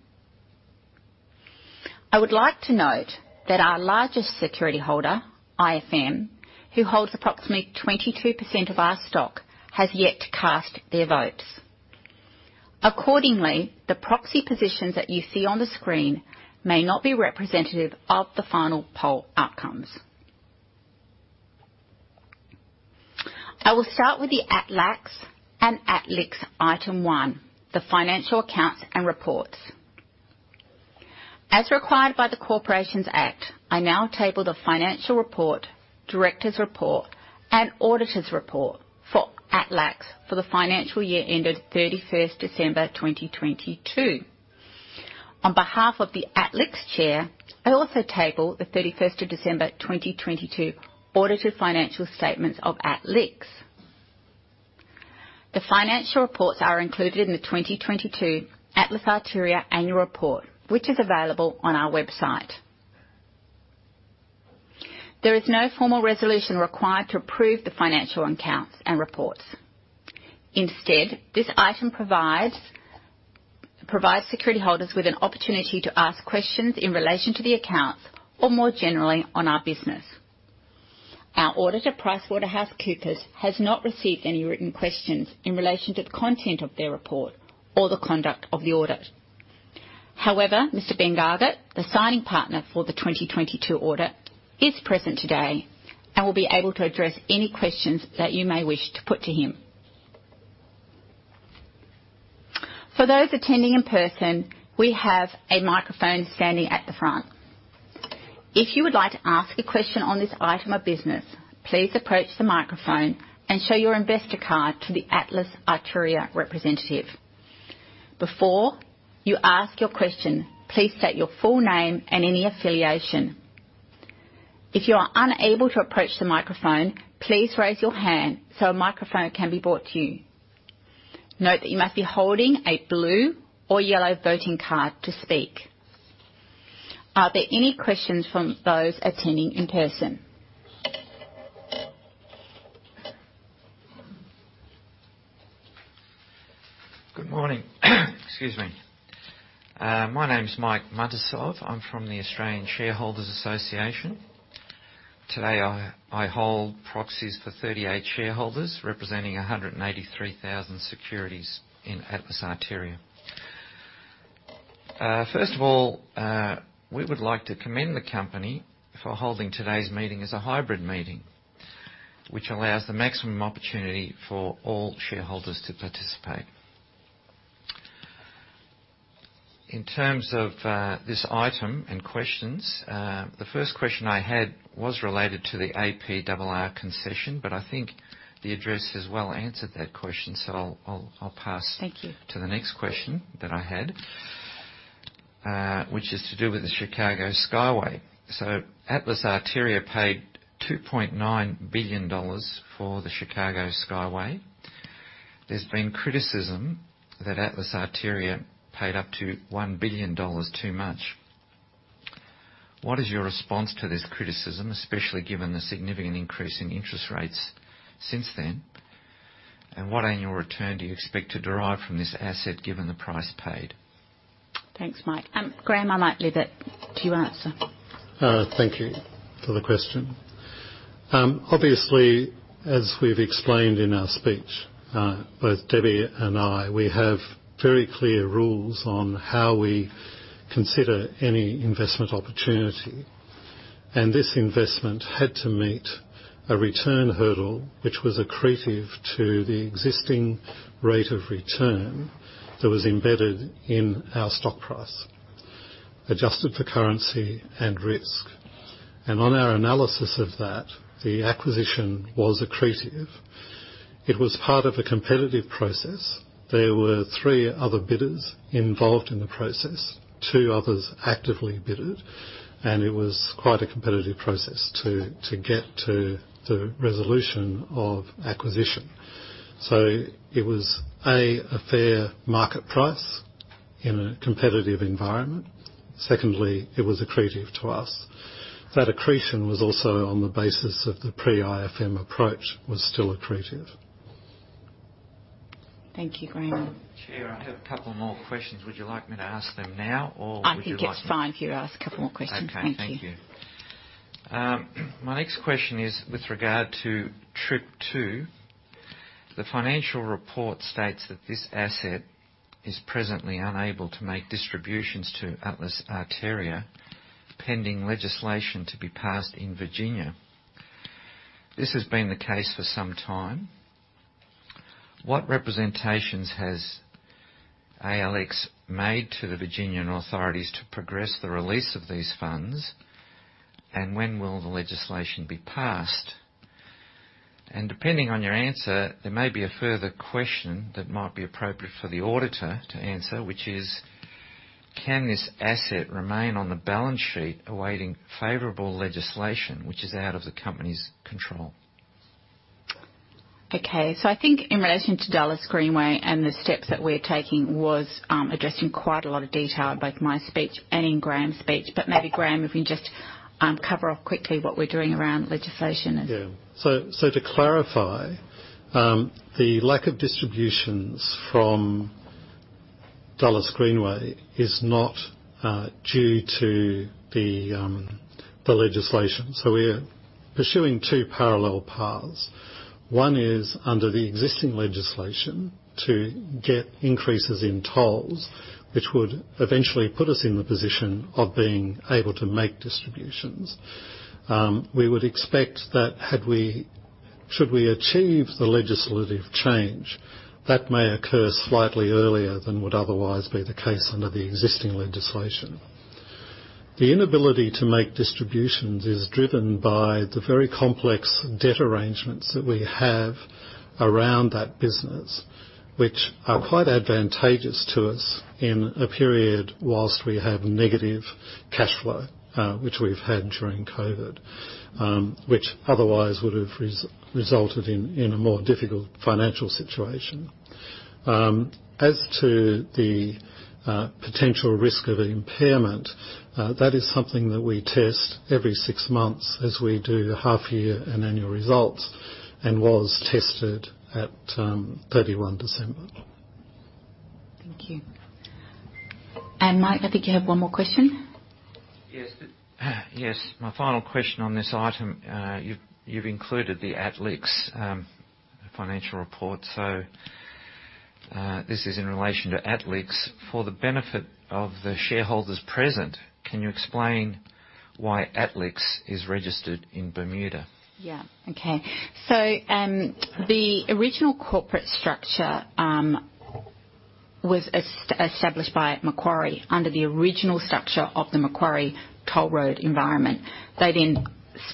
I would like to note that our largest security holder, IFM, who holds approximately 22% of our stock, has yet to cast their votes. Accordingly, the proxy positions that you see on the screen may not be representative of the final poll outcomes. I will start with the ATLAX and ATLIX item one, the financial accounts and reports. As required by the Corporations Act, I now table the financial report, directors report, and auditors report for ATLAX for the financial year ended 31st December 2022. On behalf of the ATLIX Chair, I also table the 31st of December 2022 audited financial statements of ATLIX. The financial reports are included in the 2022 Atlas Arteria annual report, which is available on our website. There is no formal resolution required to approve the financial accounts and reports. This item provides security holders with an opportunity to ask questions in relation to the accounts or more generally, on our business. Our auditor, PricewaterhouseCoopers, has not received any written questions in relation to the content of their report or the conduct of the audit. Mr. Ben Gargett, the signing partner for the 2022 audit, is present today and will be able to address any questions that you may wish to put to him. For those attending in person, we have a microphone standing at the front. If you would like to ask a question on this item of business, please approach the microphone and show your investor card to the Atlas Arteria representative. Before you ask your question, please state your full name and any affiliation. If you are unable to approach the microphone, please raise your hand so a microphone can be brought to you. Note that you must be holding a blue or yellow voting card to speak. Are there any questions from those attending in person? Good morning. Excuse me. My name is Michael Muntisov. I'm from the Australian Shareholders' Association. Today, I hold proxies for 38 shareholders, representing 183,000 securities in Atlas Arteria. First of all, we would like to commend the company for holding today's meeting as a hybrid meeting, which allows the maximum opportunity for all shareholders to participate. In terms of this item and questions, the first question I had was related to the APRR concession, but I think the address has well answered that question, so I'll pass. Thank you. To the next question that I had, which is to do with the Chicago Skyway. Atlas Arteria paid $2.9 billion for the Chicago Skyway. There's been criticism that Atlas Arteria paid up to $1 billion too much. What is your response to this criticism, especially given the significant increase in interest rates since then? What annual return do you expect to derive from this asset, given the price paid? Thanks, Mike. Graeme, I might leave it to you answer. Thank you for the question. Obviously, as we've explained in our speech, both Debbie and I, we have very clear rules on how we consider any investment opportunity, and this investment had to meet a return hurdle, which was accretive to the existing rate of return that was embedded in our stock price, adjusted for currency and risk. On our analysis of that, the acquisition was accretive. It was part of a competitive process. There were three other bidders involved in the process. Two others actively bid, and it was quite a competitive process to get to the resolution of acquisition. It was, A, a fair market price in a competitive environment. Secondly, it was accretive to us. That accretion was also on the basis of the pre-IFM approach, was still accretive. Thank you, Graeme. Chair, I have a couple more questions. Would you like me to ask them now or would you like? I think it's fine if you ask a couple more questions. Okay. Thank you. Thank you. My next question is with regard to TRIP II. The financial report states that this asset is presently unable to make distributions to Atlas Arteria, pending legislation to be passed in Virginia. This has been the case for some time. What representations has ALX made to the Virginian authorities to progress the release of these funds, and when will the legislation be passed? Depending on your answer, there may be a further question that might be appropriate for the auditor to answer, which is: Can this asset remain on the balance sheet awaiting favorable legislation which is out of the company's control? I think in relation to Dulles Greenway and the steps that we're taking, was addressing quite a lot of detail in both my speech and in Graeme's speech. Maybe, Graeme, if you just cover off quickly what we're doing around legislation and. To clarify, the lack of distributions from Dulles Greenway is not due to the legislation. We are pursuing two parallel paths. One is under the existing legislation, to get increases in tolls, which would eventually put us in the position of being able to make distributions. We would expect that should we achieve the legislative change, that may occur slightly earlier than would otherwise be the case under the existing legislation. The inability to make distributions is driven by the very complex debt arrangements that we have around that business, which are quite advantageous to us in a period whilst we have negative cash flow, which we've had during COVID, which otherwise would have resulted in a more difficult financial situation. As to the potential risk of impairment, that is something that we test every six months as we do half year and annual results, was tested at 31 December. Thank you. Mike, I think you have one more question. Yes. Yes, my final question on this item. you've included the ATLIX financial report, so this is in relation to ATLIX. For the benefit of the shareholders present, can you explain why ATLIX is registered in Bermuda? Yeah. Okay. The original corporate structure was established by Macquarie under the original structure of the Macquarie Infrastructure Group environment. They then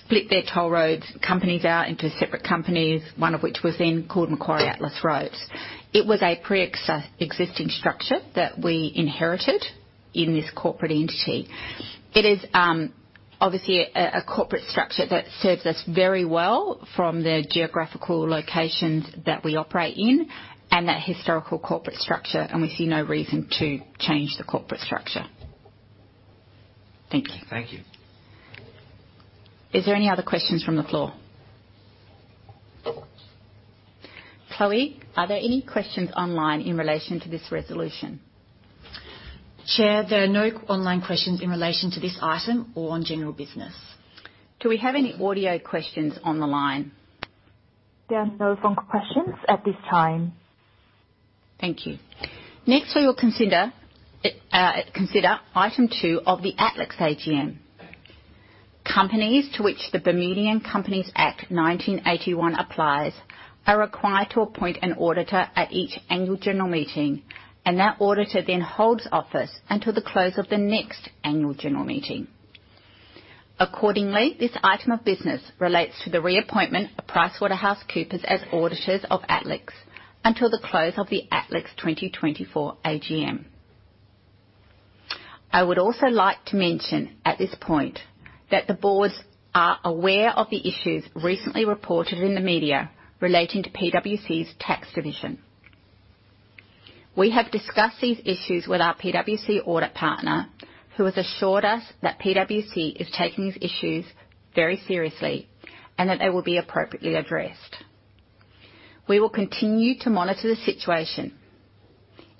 split their toll roads companies out into separate companies, one of which was then called Macquarie Atlas Roads. It was a preexisting structure that we inherited in this corporate entity. It is obviously a corporate structure that serves us very well from the geographical locations that we operate in and that historical corporate structure, and we see no reason to change the corporate structure. Thank you. Thank you. Is there any other questions from the floor? Chloe, are there any questions online in relation to this resolution? Chair, there are no online questions in relation to this item or on general business. Do we have any audio questions on the line? There are no phone questions at this time. Thank you. Next, we will consider item two of the ATLIX AGM. Companies to which the Bermudian Companies Act 1981 applies, are required to appoint an auditor at each annual general meeting, and that auditor then holds office until the close of the next annual general meeting. Accordingly, this item of business relates to the reappointment of PricewaterhouseCoopers as auditors of ATLIX until the close of the ATLIX 2024 AGM. I would also like to mention at this point that the boards are aware of the issues recently reported in the media relating to PwC's tax division. We have discussed these issues with our PwC audit partner, who has assured us that PwC is taking these issues very seriously and that they will be appropriately addressed. We will continue to monitor the situation.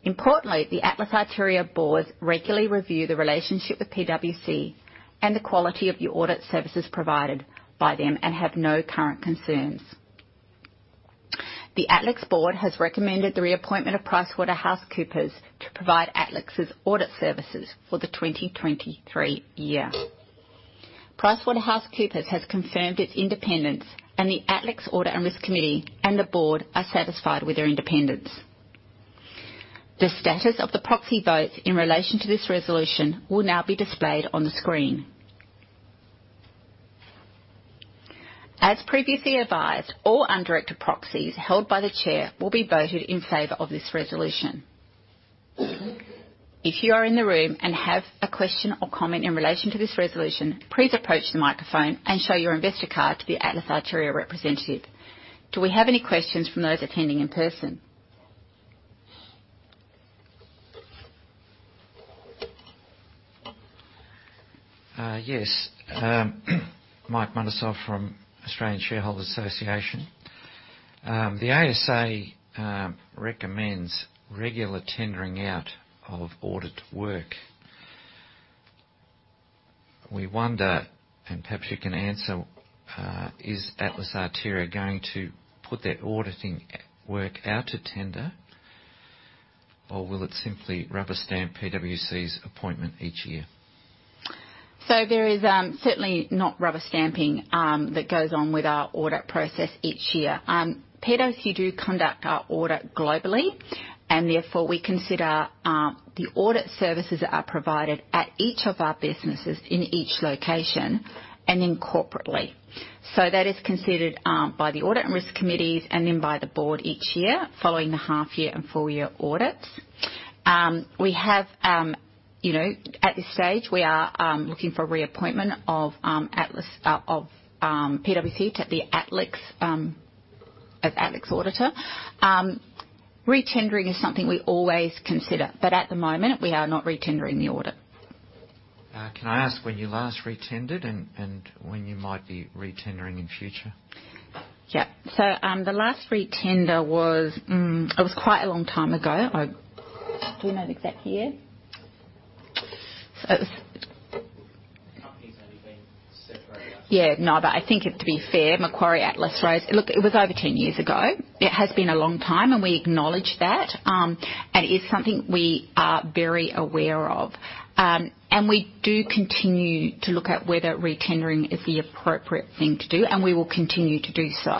Importantly, the Atlas Arteria boards regularly review the relationship with PwC and the quality of the audit services provided by them and have no current concerns. The Atlix board has recommended the reappointment of PricewaterhouseCoopers to provide Atlix's audit services for the 2023 year. PricewaterhouseCoopers has confirmed its independence, and the Atlix Audit and Risk Committee and the board are satisfied with their independence. The status of the proxy votes in relation to this resolution will now be displayed on the screen. As previously advised, all undirector proxies held by the chair will be voted in favour of this resolution. If you are in the room and have a question or comment in relation to this resolution, please approach the microphone and show your investor card to the Atlas Arteria representative. Do we have any questions from those attending in person? Yes. Michael Muntisov from Australian Shareholders' Association. The ASA recommends regular tendering out of audit work. We wonder, and perhaps you can answer, is Atlas Arteria going to put that auditing work out to tender, or will it simply rubber stamp PwC's appointment each year? There is certainly not rubber stamping that goes on with our audit process each year. PwC do conduct our audit globally, and therefore we consider the audit services that are provided at each of our businesses in each location and then corporately. That is considered by the audit and risk committees and then by the board each year, following the half year and full year audits. We have, you know, at this stage, we are looking for reappointment of Atlas of PwC to the ATLAX of ATLAX auditor. Re-tendering is something we always consider, but at the moment, we are not re-tendering the audit. Can I ask when you last re-tendered and when you might be re-tendering in future? Yeah. The last re-tender was, it was quite a long time ago. Do we know the exact year? Company's only been separated out. I think it to be fair, Macquarie Atlas Roads... Look, it was over 10 years ago. It has been a long time, and we acknowledge that. It's something we are very aware of. We do continue to look at whether re-tendering is the appropriate thing to do, and we will continue to do so.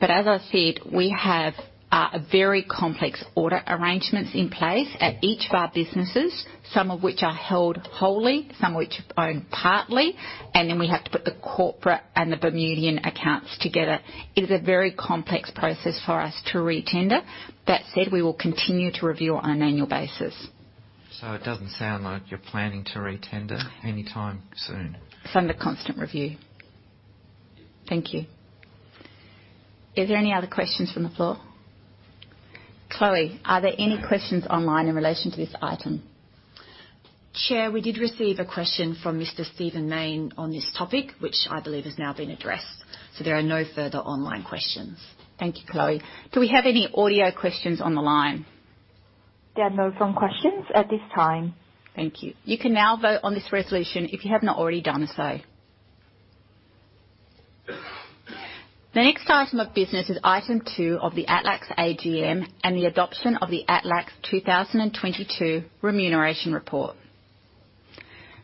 As I said, we have a very complex audit arrangements in place at each of our businesses, some of which are held wholly, some of which are owned partly, and then we have to put the corporate and the Bermudan accounts together. It is a very complex process for us to re-tender. That said, we will continue to review on an annual basis. It doesn't sound like you're planning to re-tender anytime soon? It's under constant review. Thank you. Is there any other questions from the floor? Chloe, are there any questions online in relation to this item? Chair, we did receive a question from Mr. Stephen Mayne. Thank you, Chloe. Do we have any audio questions on the line? There are no phone questions at this time. Thank you. You can now vote on this resolution if you have not already done so. The next item of business is Item two of the ATLAX AGM and the adoption of the ATLAX 2022 Remuneration Report.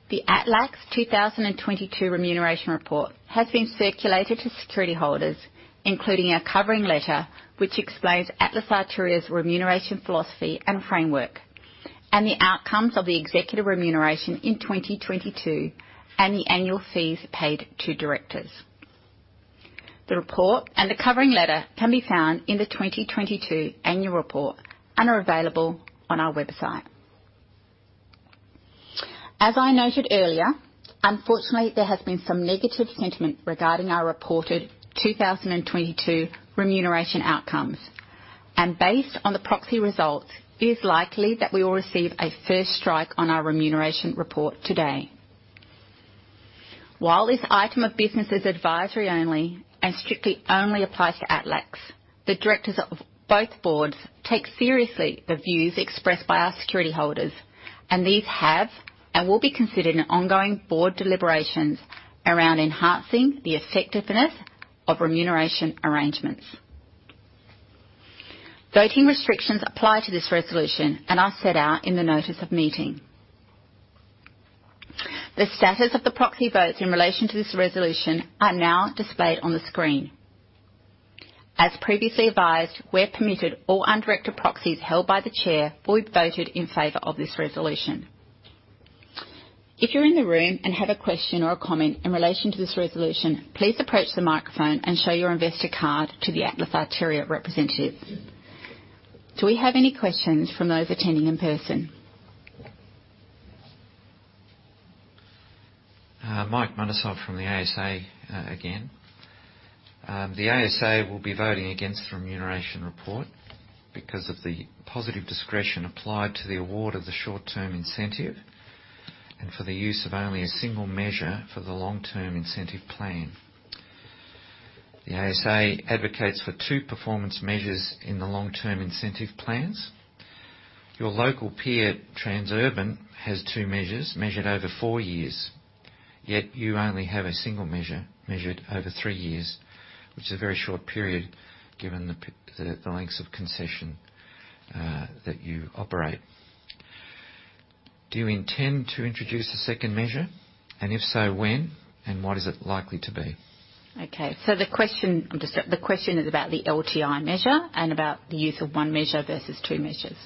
The ATLAX 2022 Remuneration Report has been circulated to security holders, including a covering letter, which explains Atlas Arteria's remuneration philosophy and framework, and the outcomes of the executive remuneration in 2022, and the annual fees paid to directors. The report and the covering letter can be found in the 2022 annual report and are available on our website. As I noted earlier, unfortunately, there has been some negative sentiment regarding our reported 2022 remuneration outcomes, and based on the proxy results, it is likely that we will receive a first strike on our remuneration report today. While this item of business is advisory only and strictly only applies to ATLAX, the directors of both boards take seriously the views expressed by our security holders, and these have and will be considered in ongoing board deliberations around enhancing the effectiveness of remuneration arrangements. Voting restrictions apply to this resolution and are set out in the notice of meeting. The status of the proxy votes in relation to this resolution are now displayed on the screen. As previously advised, where permitted, all undirector proxies held by the chair will be voted in favor of this resolution. If you're in the room and have a question or a comment in relation to this resolution, please approach the microphone and show your investor card to the Atlas Arteria representative. Do we have any questions from those attending in person? Michael Muntisov from the ASA again. The ASA will be voting against the remuneration report because of the positive discretion applied to the award of the short-term incentive and for the use of only a single measure for the long-term incentive plan. The ASA advocates for two performance measures in the long-term incentive plans. Your local peer, Transurban, has two measures measured over four years, yet you only have a single measure measured over three years, which is a very short period given the lengths of concession that you operate. Do you intend to introduce a second measure, and if so, when? What is it likely to be? Okay. The question is about the LTI measure and about the use of one measure versus two measures.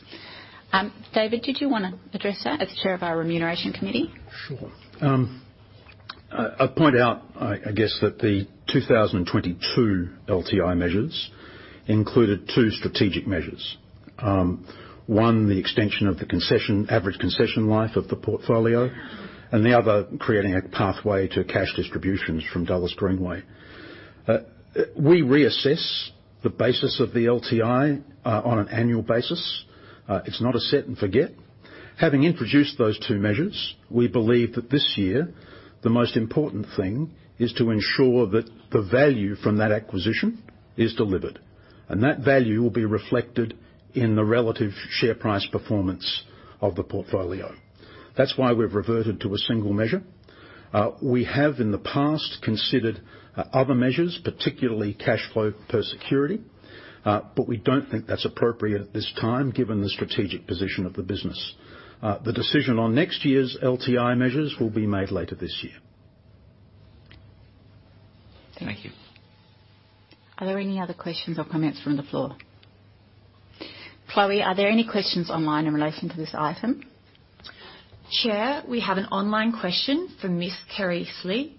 David, did you want to address that as chair of our Remuneration Committee? Sure. I'll point out, I guess that the 2022 LTI measures included 2 strategic measures. One, the extension of the concession, average concession life of the portfolio, and the other, creating a pathway to cash distributions from Dulles Greenway. We reassess the basis of the LTI on an annual basis. It's not a set and forget. Having introduced those 2 measures, we believe that this year, the most important thing is to ensure that the value from that acquisition is delivered, and that value will be reflected in the relative share price performance of the portfolio. That's why we've reverted to a single measure. We have, in the past, considered other measures, particularly cash flow per security, but we don't think that's appropriate at this time, given the strategic position of the business. The decision on next year's LTI measures will be made later this year. Thank you. Are there any other questions or comments from the floor? Chloe, are there any questions online in relation to this item? Chair, we have an online question from Miss Kerry Slee.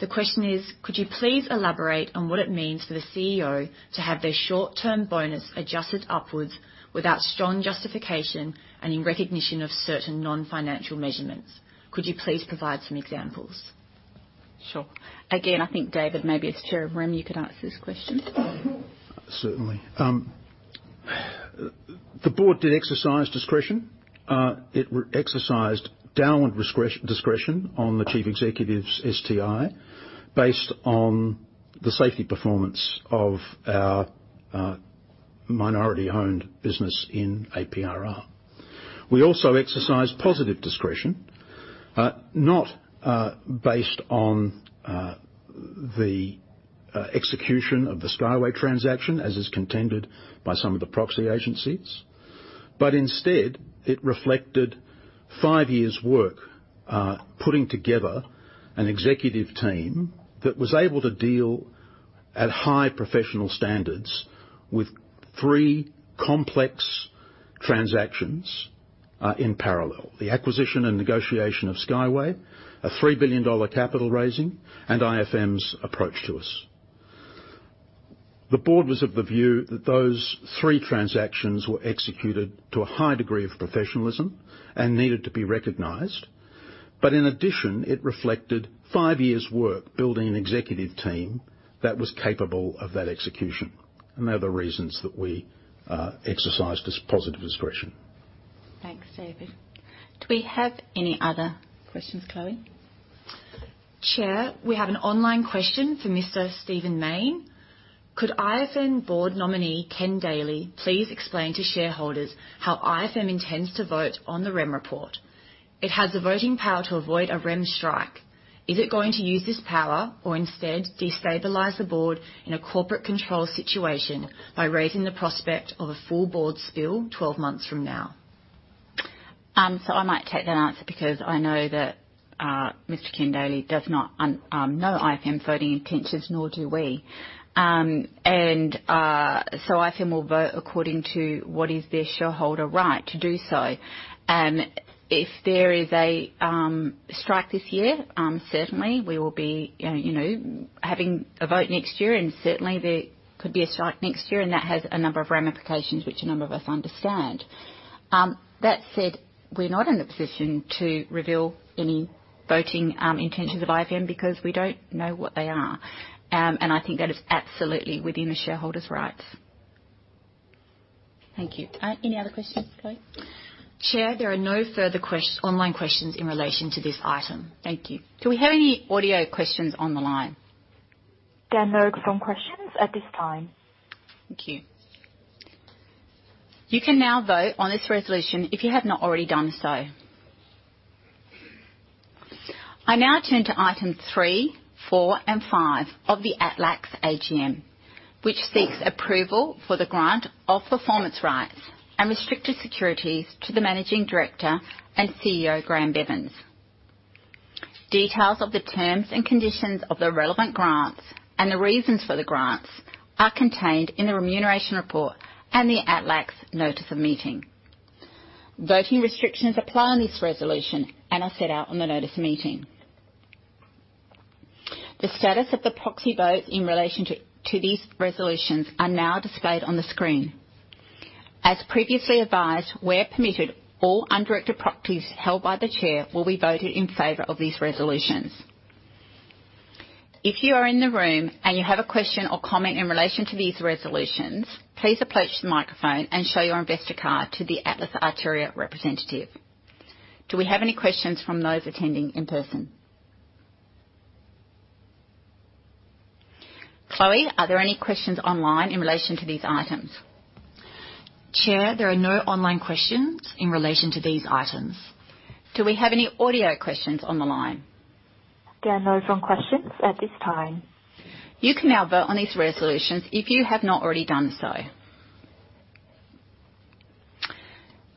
The question is: Could you please elaborate on what it means for the CEO to have their short-term bonus adjusted upwards without strong justification and in recognition of certain non-financial measurements? Could you please provide some examples? Sure. Again, I think, David, maybe as Chair of Rem, you could answer this question. Certainly. The board did exercise discretion. It exercised downward discretion on the chief executive's STI based on the safety performance of our minority-owned business in APRR. We also exercised positive discretion, not based on the execution of the Skyway transaction, as is contended by some of the proxy agencies, but instead, it reflected five years' work, putting together an executive team that was able to deal at high professional standards with three complex transactions in parallel: the acquisition and negotiation of Skyway, an 3 billion dollar capital raising, and IFM's approach to us. The board was of the view that those three transactions were executed to a high degree of professionalism and needed to be recognized. In addition, it reflected 5 years' work building an executive team that was capable of that execution, and they're the reasons that we exercised this positive discretion. Thanks, David. Do we have any other questions, Chloe? Chair, we have an online question from Mr. Steven Main. Could IFM board nominee, Ken Daley, please explain to shareholders how IFM intends to vote on the Rem report? It has the voting power to avoid a Rem strike. Is it going to use this power or instead destabilize the board in a corporate control situation by raising the prospect of a full board spill 12 months from now? I might take that answer because I know that Mr. Ken Daley does not know IFM voting intentions, nor do we. IFM will vote according to what is their shareholder right to do so. If there is a strike this year, certainly we will be, you know, having a vote next year, and certainly there could be a strike next year, and that has a number of ramifications which a number of us understand. That said, we're not in a position to reveal any voting intentions of IFM because we don't know what they are. I think that is absolutely within the shareholders' rights. Thank you. Any other questions, Chloe? Chair, there are no further questions, online questions in relation to this item. Thank you. Do we have any audio questions on the line? There are no phone questions at this time. Thank you. You can now vote on this resolution if you have not already done so. I now turn to item 3, 4, and 5 of the ATLAX AGM, which seeks approval for the grant of performance rights and restricted securities to the Managing Director and CEO, Graeme Bevans. Details of the terms and conditions of the relevant grants and the reasons for the grants are contained in the remuneration report and the ATLAX notice of meeting. Voting restrictions apply on this resolution and are set out on the notice of meeting. The status of the proxy vote in relation to these resolutions are now displayed on the screen. As previously advised, where permitted, all undirected proxies held by the Chair will be voted in favor of these resolutions. If you are in the room and you have a question or comment in relation to these resolutions, please approach the microphone and show your investor card to the Atlas Arteria representative. Do we have any questions from those attending in person? Chloe, are there any questions online in relation to these items? Chair, there are no online questions in relation to these items. Do we have any audio questions on the line? There are no phone questions at this time. You can now vote on these resolutions if you have not already done so.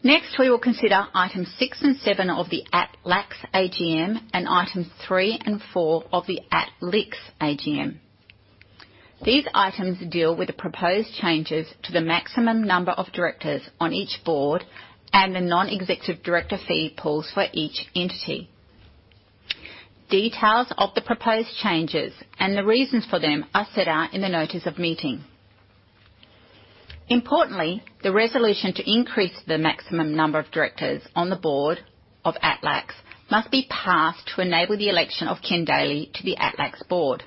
Next, we will consider items six and seven of the ATLAX AGM and items three and four of the ATLIX AGM. These items deal with the proposed changes to the maximum number of directors on each board and the non-executive director fee pools for each entity. Details of the proposed changes and the reasons for them are set out in the notice of meeting. Importantly, the resolution to increase the maximum number of directors on the board of ATLAX must be passed to enable the election of Ken Daley to the ATLAX board.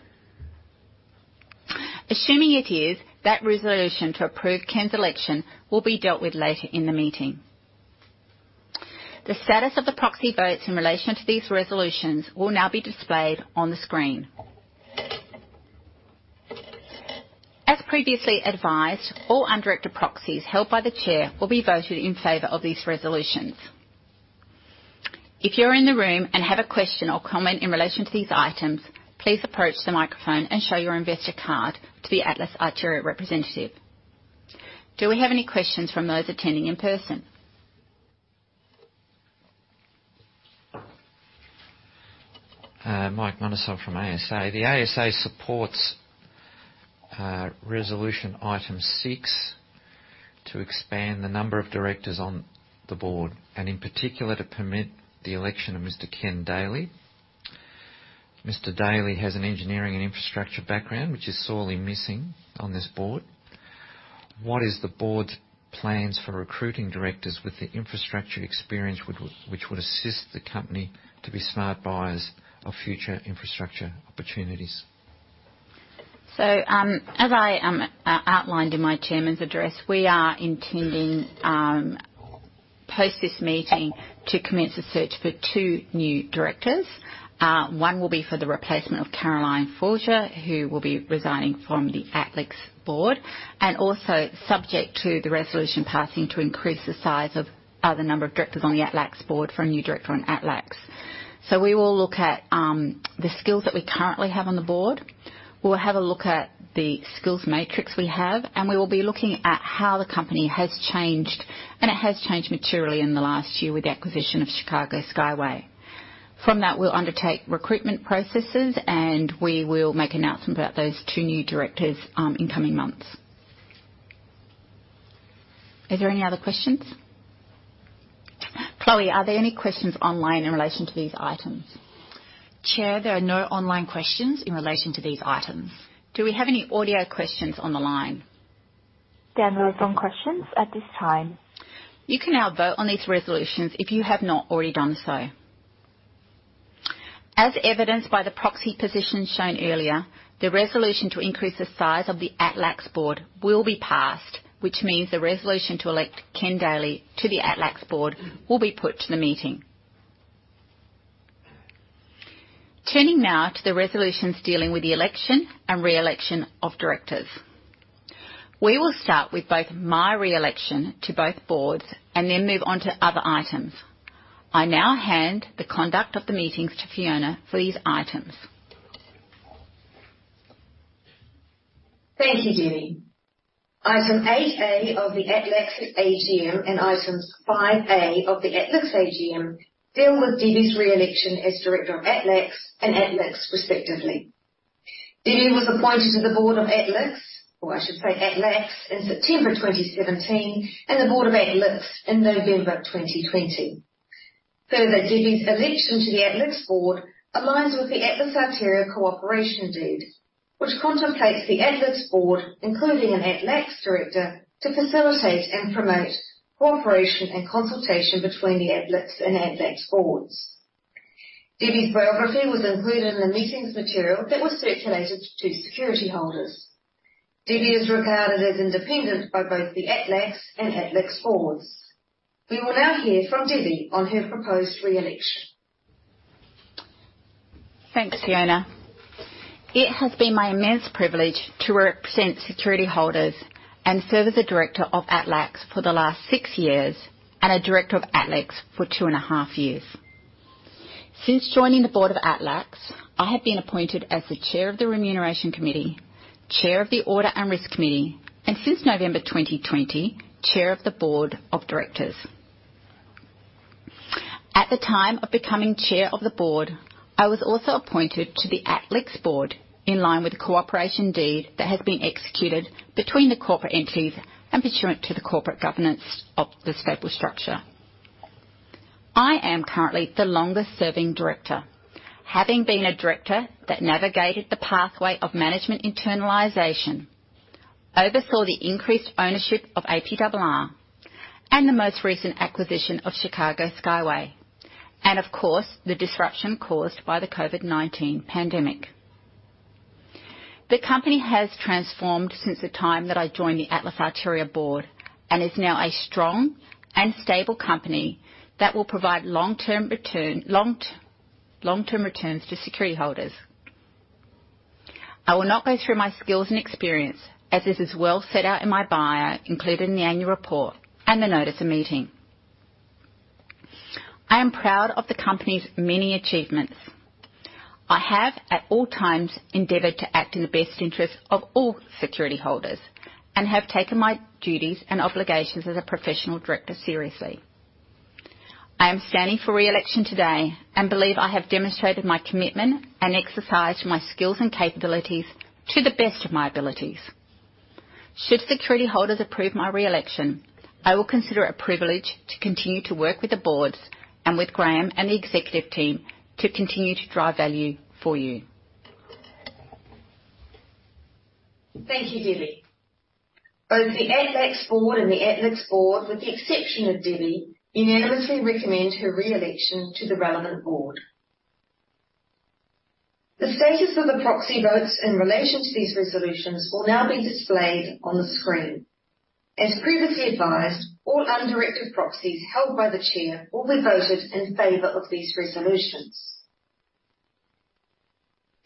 Assuming it is, that resolution to approve Ken's election will be dealt with later in the meeting. The status of the proxy votes in relation to these resolutions will now be displayed on the screen. As previously advised, all undirected proxies held by the chair will be voted in favor of these resolutions. If you're in the room and have a question or comment in relation to these items, please approach the microphone and show your investor card to the Atlas Arteria representative. Do we have any questions from those attending in person? Michael Muntisov from ASA. The ASA supports resolution item six to expand the number of directors on the board, and in particular, to permit the election of Mr. Ken Daley. Mr. Daley has an engineering and infrastructure background, which is sorely missing on this board. What is the board's plans for recruiting directors with the infrastructure experience which would assist the company to be smart buyers of future infrastructure opportunities? As I outlined in my Chairman's address, we are intending post this meeting to commence a search for two new directors. One will be for the replacement of Caroline Folger, who will be resigning from the ATLIX board, and also subject to the resolution passing to increase the size of the number of directors on the ATLAX board for a new director on ATLAX. We will look at the skills that we currently have on the board. We'll have a look at the skills matrix we have, and we will be looking at how the company has changed, and it has changed materially in the last year with the acquisition of Chicago Skyway. From that, we'll undertake recruitment processes, and we will make announcement about those two new directors in coming months. Are there any other questions? Chloe, are there any questions online in relation to these items? Chair, there are no online questions in relation to these items. Do we have any audio questions on the line? There are no phone questions at this time. You can now vote on these resolutions if you have not already done so. As evidenced by the proxy positions shown earlier, the resolution to increase the size of the ATLAX board will be passed, which means the resolution to elect Ken Daley to the ATLAX board will be put to the meeting. Turning now to the resolutions dealing with the election and re-election of directors. We will start with both my re-election to both boards and then move on to other items. I now hand the conduct of the meetings to Fiona for these items. Thank you, Debbie. Item 8 A of the ATLAX AGM and items 5 A of the ATLIX AGM deal with Debbie's re-election as director of ATLAX and ATLIX, respectively. Debbie was appointed to the board of ATLIX, or I should say ATLAX, in September 2017, and the board of ATLIX in November 2020. Further, Debbie's election to the ATLIX board aligns with the Atlas Arteria Cooperation Deed, which contemplates the ATLIX board, including an ATLAX director, to facilitate and promote cooperation and consultation between the ATLIX and ATLAX boards. Debbie is regarded as independent by both the ATLAX and ATLIX boards. We will now hear from Debbie on her proposed re-election. Thanks, Fiona. It has been my immense privilege to represent security holders and serve as a director of ATLAX for the last 6 years and a director of ATLIX for 2 and a half years. Since joining the board of ATLAX, I have been appointed as the Chair of the Remuneration Committee, Chair of the Audit and Risk Committee, and since November 2020, Chair of the Board of Directors. At the time of becoming Chair of the Board, I was also appointed to the ATLIX board in line with the Cooperation Deed that has been executed between the corporate entities and pursuant to the corporate governance of the stable structure. I am currently the longest-serving director, having been a director that navigated the pathway of management internalization, oversaw the increased ownership of APRR, and the most recent acquisition of Chicago Skyway, and of course, the disruption caused by the COVID-19 pandemic. The company has transformed since the time that I joined the Atlas Arteria board and is now a strong and stable company that will provide long-term returns to security holders. I will not go through my skills and experience, as this is well set out in my bio, included in the annual report and the notice of meeting. I am proud of the Company's many achievements. I have, at all times, endeavored to act in the best interest of all security holders and have taken my duties and obligations as a professional director seriously. I am standing for reelection today and believe I have demonstrated my commitment and exercised my skills and capabilities to the best of my abilities. Should security holders approve my reelection, I will consider it a privilege to continue to work with the boards and with Graeme and the executive team to continue to drive value for you. Thank you, Debbie. Both the ATLAX board and the Atlas board, with the exception of Debbie, unanimously recommend her reelection to the relevant board. The status of the proxy votes in relation to these resolutions will now be displayed on the screen. As previously advised, all undirected proxies held by the chair will be voted in favor of these resolutions.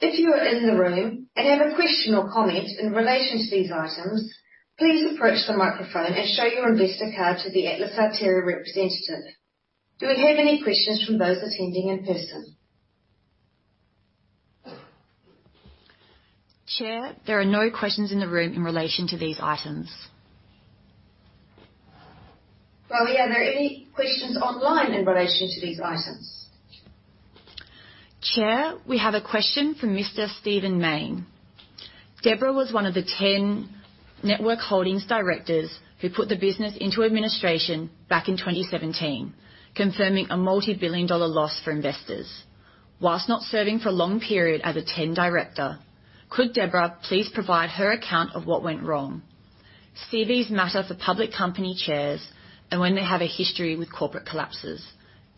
If you are in the room and have a question or comment in relation to these items, please approach the microphone and show your investor card to the Atlas Arteria representative. Do we have any questions from those attending in person? Chair, there are no questions in the room in relation to these items. Well, are there any questions online in relation to these items? Chair, we have a question from Mr. Stephen Maine. Deborah was one of the Ten Network Holdings directors who put the business into administration back in 2017, confirming a multi-billion dollar loss for investors. Whilst not serving for a long period as a Ten director, could Deborah please provide her account of what went wrong? CVs matter for public company chairs. When they have a history with corporate collapses,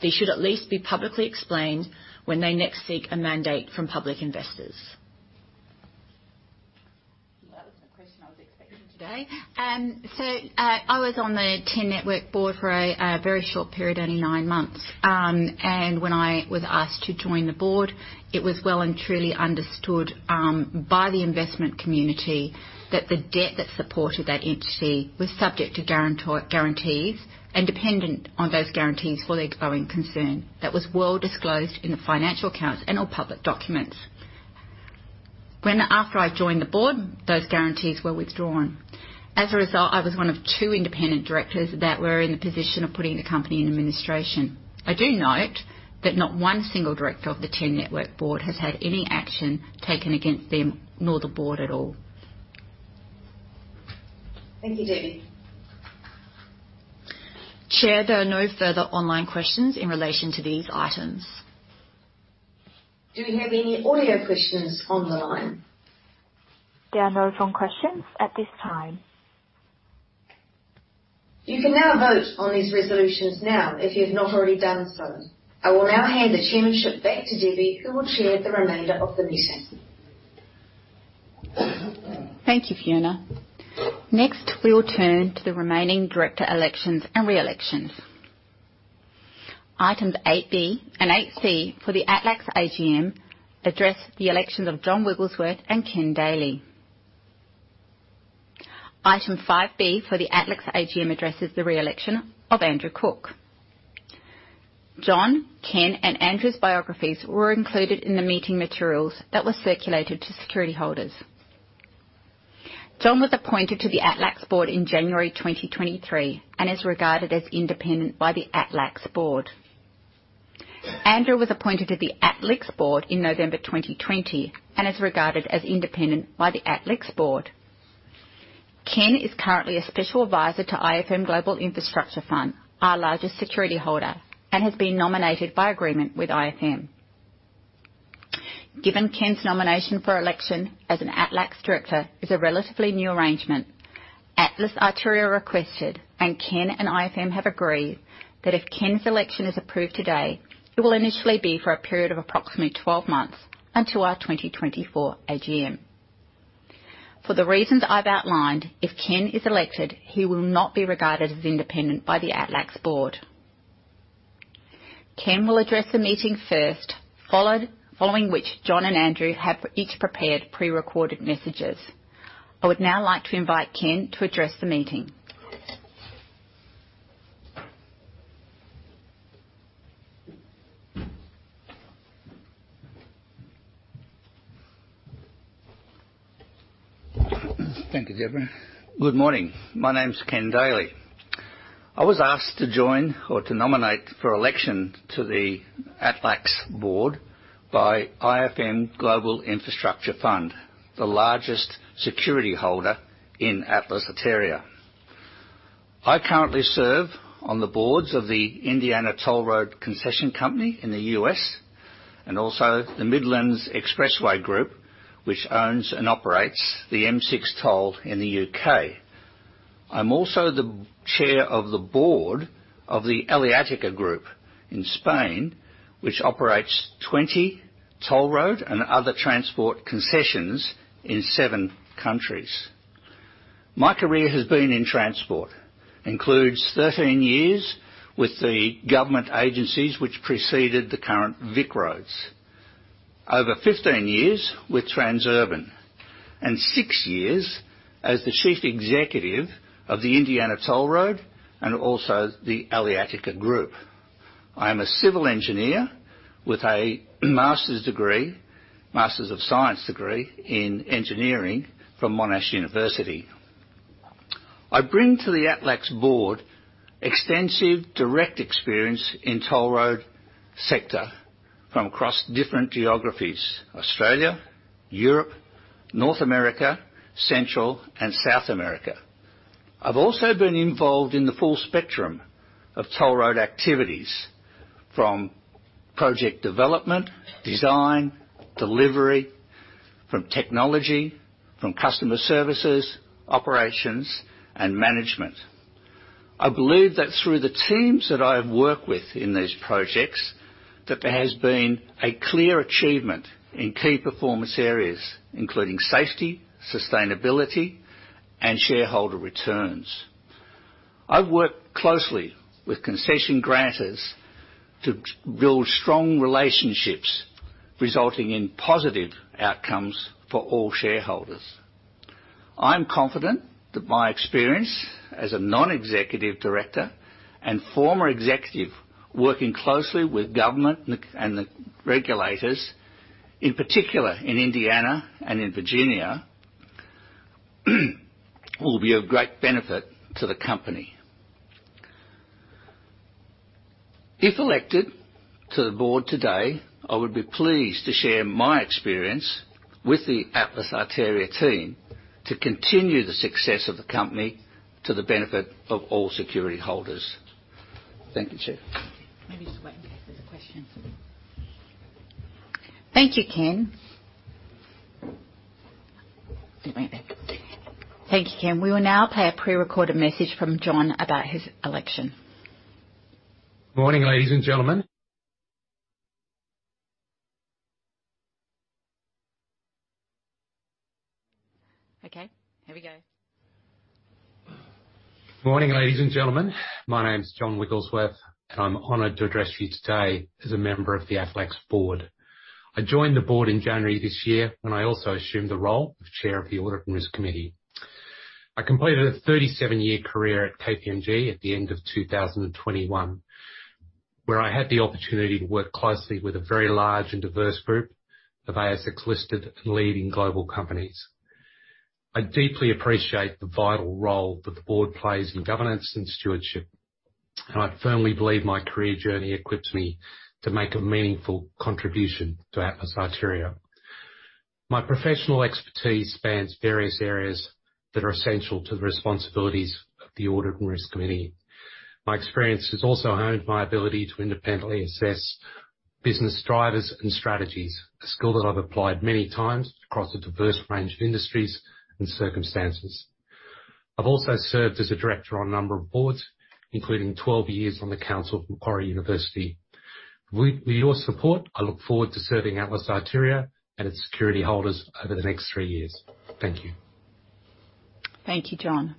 they should at least be publicly explained when they next seek a mandate from public investors. Well, that was a question I was expecting today. I was on the Ten Network board for a very short period, only nine months. When I was asked to join the board, it was well and truly understood by the investment community that the debt that supported that entity was subject to guarantees and dependent on those guarantees for the growing concern. That was well disclosed in the financial accounts and all public documents. When, after I joined the board, those guarantees were withdrawn. As a result, I was one of two independent directors that were in the position of putting the company in administration. I do note that not one single director of the Ten Network board has had any action taken against them, nor the board at all. Thank you, Debbie. Chair, there are no further online questions in relation to these items. Do we have any audio questions on the line? There are no phone questions at this time. You can now vote on these resolutions now, if you have not already done so. I will now hand the chairmanship back to Debbie, who will chair the remainder of the meeting. Thank you, Fiona. We will turn to the remaining director elections and reelections. Items 8B and 8C for the ATLAX AGM address the elections of John Wigglesworth and Ken Daley. Item 5B for the ATLAX AGM addresses the reelection of Andrew Cook. John, Ken, and Andrew's biographies were included in the meeting materials that were circulated to security holders. John was appointed to the ATLAX board in January 2023 and is regarded as independent by the ATLAX board. Andrew was appointed to the ATLIX board in November 2020 and is regarded as independent by the ATLIX board. Ken is currently a special advisor to IFM Global Infrastructure Fund, our largest security holder, and has been nominated by agreement with IFM. Given Ken's nomination for election as an ATLAX Director is a relatively new arrangement, Atlas Arteria requested, and Ken and IFM have agreed, that if Ken's election is approved today, it will initially be for a period of approximately 12 months until our 2024 AGM. For the reasons I've outlined, if Ken is elected, he will not be regarded as independent by the ATLAX board. Ken will address the meeting first, following which, John and Andrew have each prepared prerecorded messages. I would now like to invite Ken to address the meeting. Thank you, Deborah. Good morning. My name is Ken Daley. I was asked to join or to nominate for election to the ATLAX board by IFM Global Infrastructure Fund, the largest security holder in Atlas Arteria. I currently serve on the boards of the Indiana Toll Road Concession Company in the U.S. and also the Midland Expressway Limited, which owns and operates the M6 Toll in the U.K. I'm also the chair of the board of the Aleatica Group in Spain, which operates 20 toll road and other transport concessions in seven countries. My career has been in transport, includes 13 years with the government agencies, which preceded the current VicRoads. Over 15 years with Transurban and 6 years as the chief executive of the Indiana Toll Road and also the Aleatica Group. I am a civil engineer with a master's degree, Master of Science degree in engineering from Monash University. I bring to the ATLAX board extensive direct experience in toll road sector from across different geographies, Australia, Europe, North America, Central and South America. I've also been involved in the full spectrum of toll road activities, from project development, design, delivery, from technology, from customer services, operations, and management. I believe that through the teams that I've worked with in these projects, that there has been a clear achievement in key performance areas, including safety, sustainability, and shareholder returns. I've worked closely with concession grantors to build strong relationships, resulting in positive outcomes for all shareholders. I'm confident that my experience as a non-executive director and former executive, working closely with government and the regulators, in particular in Indiana and in Virginia, will be of great benefit to the company. If elected to the board today, I would be pleased to share my experience with the Atlas Arteria team to continue the success of the company to the benefit of all security holders. Thank you, Chair. Maybe just wait in case there's a question. Thank you, Ken. Wait. Thank you, Ken. We will now play a prerecorded message from John about his election. Good morning, ladies and gentlemen. Okay, here we go. Morning, ladies and gentlemen. My name is John Wigglesworth. I'm honored to address you today as a member of the ATLAX board. I joined the board in January this year, when I also assumed the role of Chair of the Audit and Risk Committee. I completed a 37-year career at KPMG at the end of 2021, where I had the opportunity to work closely with a very large and diverse group of ASX-listed and leading global companies. I deeply appreciate the vital role that the board plays in governance and stewardship. I firmly believe my career journey equips me to make a meaningful contribution to Atlas Arteria. My professional expertise spans various areas that are essential to the responsibilities of the Audit and Risk Committee. My experience has also honed my ability to independently assess business drivers and strategies, a skill that I've applied many times across a diverse range of industries and circumstances. I've also served as a director on a number of boards, including 12 years on the Council of Macquarie University. With your support, I look forward to serving Atlas Arteria and its security holders over the next three years. Thank you. Thank you, John.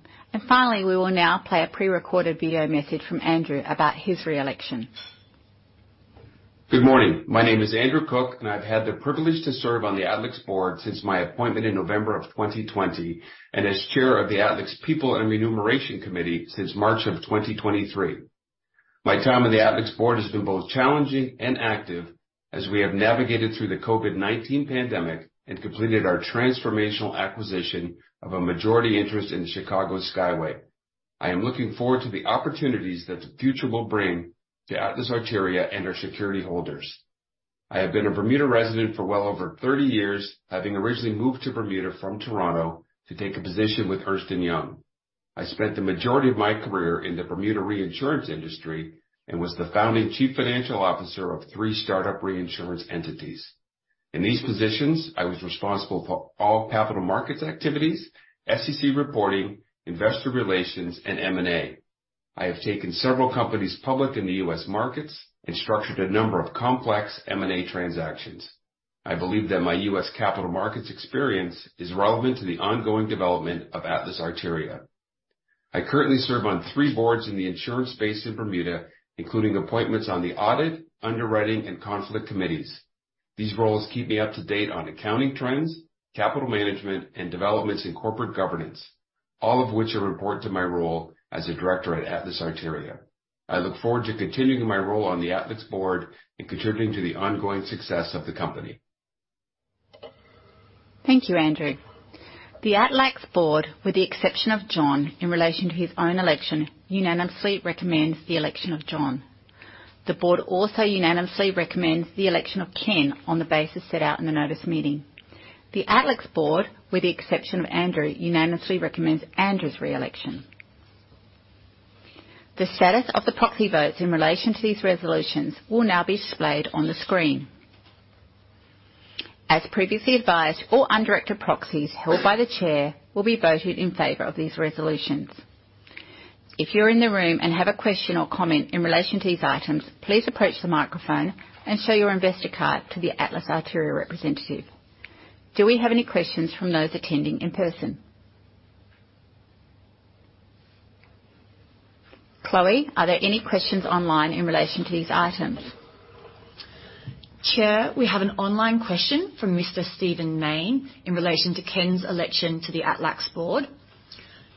Finally, we will now play a prerecorded video message from Andrew about his re-election. Good morning. My name is Andrew Cook, and I've had the privilege to serve on the ATLIX board since my appointment in November 2020, and as Chair of the ATLIX People and Remuneration Committee since March 2023. My time on the ATLIX board has been both challenging and active as we have navigated through the COVID-19 pandemic and completed our transformational acquisition of a majority interest in the Chicago Skyway. I am looking forward to the opportunities that the future will bring to Atlas Arteria and our security holders. I have been a Bermuda resident for well over 30 years, having originally moved to Bermuda from Toronto to take a position with Ernst & Young. I spent the majority of my career in the Bermuda reinsurance industry and was the founding chief financial officer of three start-up reinsurance entities. In these positions, I was responsible for all capital markets activities, ASX reporting, investor relations, and M&A. I have taken several companies public in the U.S. markets and structured a number of complex M&A transactions. I believe that my U.S. capital markets experience is relevant to the ongoing development of Atlas Arteria. I currently serve on three boards in the insurance space in Bermuda, including appointments on the audit, underwriting, and conflict committees. These roles keep me up to date on accounting trends, capital management, and developments in corporate governance, all of which are important to my role as a director at Atlas Arteria. I look forward to continuing my role on the ATLAX board and contributing to the ongoing success of the company. Thank you, Andrew. The ATLAX board, with the exception of John in relation to his own election, unanimously recommends the election of John. The board also unanimously recommends the election of Ken on the basis set out in the notice meeting. The ATLAX board, with the exception of Andrew, unanimously recommends Andrew's re-election. The status of the proxy votes in relation to these resolutions will now be displayed on the screen. As previously advised, all undirected proxies held by the chair will be voted in favor of these resolutions. If you're in the room and have a question or comment in relation to these items, please approach the microphone and show your investor card to the Atlas Arteria representative. Do we have any questions from those attending in person? Chloe, are there any questions online in relation to these items? Chair, we have an online question from Mr. Stephen Maine in relation to Ken's election to the ATLAX board.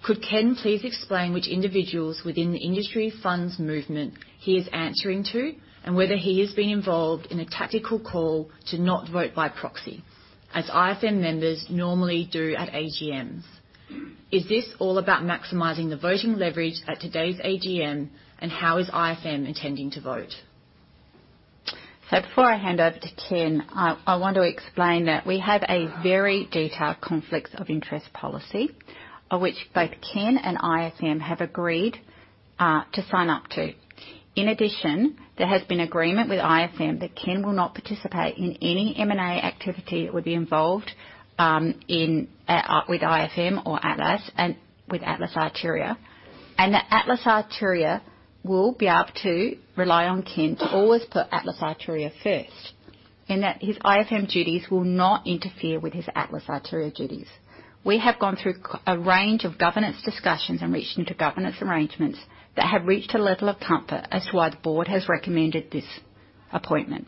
Could Ken please explain which individuals within the Industry Funds Management he is answering to, and whether he is being involved in a tactical call to not vote by proxy, as IFM members normally do at AGMs? Is this all about maximizing the voting leverage at today's AGM, and how is IFM intending to vote? Before I hand over to Ken, I want to explain that we have a very detailed conflicts of interest policy, of which both Ken and IFM have agreed to sign up to. In addition, there has been agreement with IFM that Ken will not participate in any M&A activity that would be involved in with IFM or Atlas and with Atlas Arteria, and that Atlas Arteria will be able to rely on Ken to always put Atlas Arteria first, and that his IFM duties will not interfere with his Atlas Arteria duties. We have gone through a range of governance discussions and reached into governance arrangements that have reached a level of comfort as to why the board has recommended this appointment.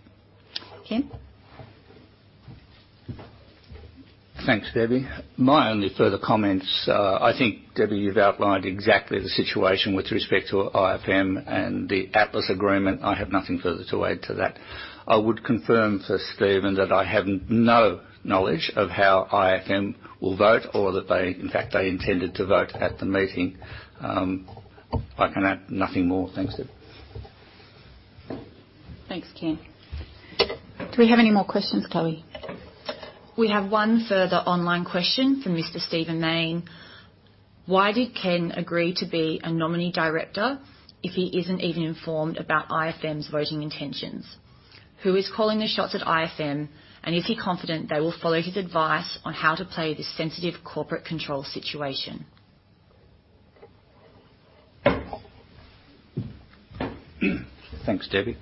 Ken? Thanks, Debbie. My only further comments, I think, Debbie, you've outlined exactly the situation with respect to IFM and the Atlas agreement. I have nothing further to add to that. I would confirm for Steven that I have no knowledge of how IFM will vote or that they, in fact, they intended to vote at the meeting. I can add nothing more. Thanks, Deb. Thanks, Ken. Do we have any more questions, Chloe? We have one further online question from Mr. Steven Main. Why did Ken agree to be a nominee director if he isn't even informed about IFM's voting intentions? Who is calling the shots at IFM, and is he confident they will follow his advice on how to play this sensitive corporate control situation? Thanks, Debbie.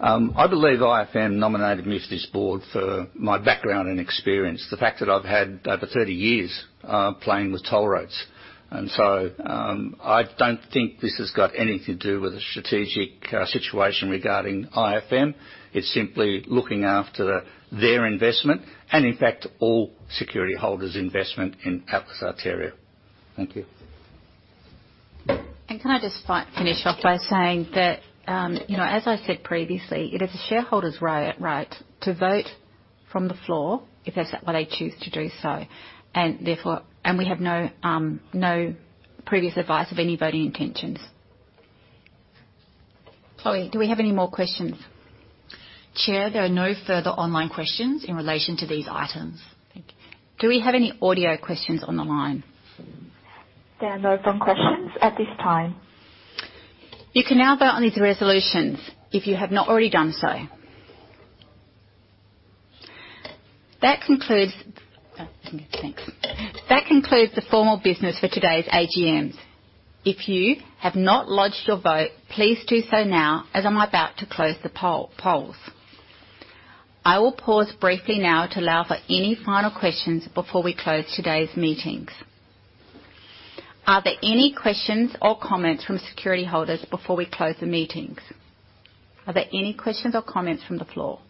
I believe IFM nominated me to this board for my background and experience, the fact that I've had over 30 years playing with toll roads. I don't think this has got anything to do with the strategic situation regarding IFM. It's simply looking after their investment and, in fact, all security holders' investment in Atlas Arteria. Thank you. Can I just finish off by saying that, you know, as I said previously, it is a shareholder's right to vote from the floor if that's what they choose to do so, and therefore. We have no previous advice of any voting intentions. Chloe, do we have any more questions? Chair, there are no further online questions in relation to these items. Thank you. Do we have any audio questions on the line? There are no phone questions at this time. You can now vote on these resolutions if you have not already done so. That concludes, thanks. That concludes the formal business for today's AGMs. If you have not lodged your vote, please do so now, as I'm about to close the polls. I will pause briefly now to allow for any final questions before we close today's meetings. Are there any questions or comments from security holders before we close the meetings? Are there any questions or comments from the floor?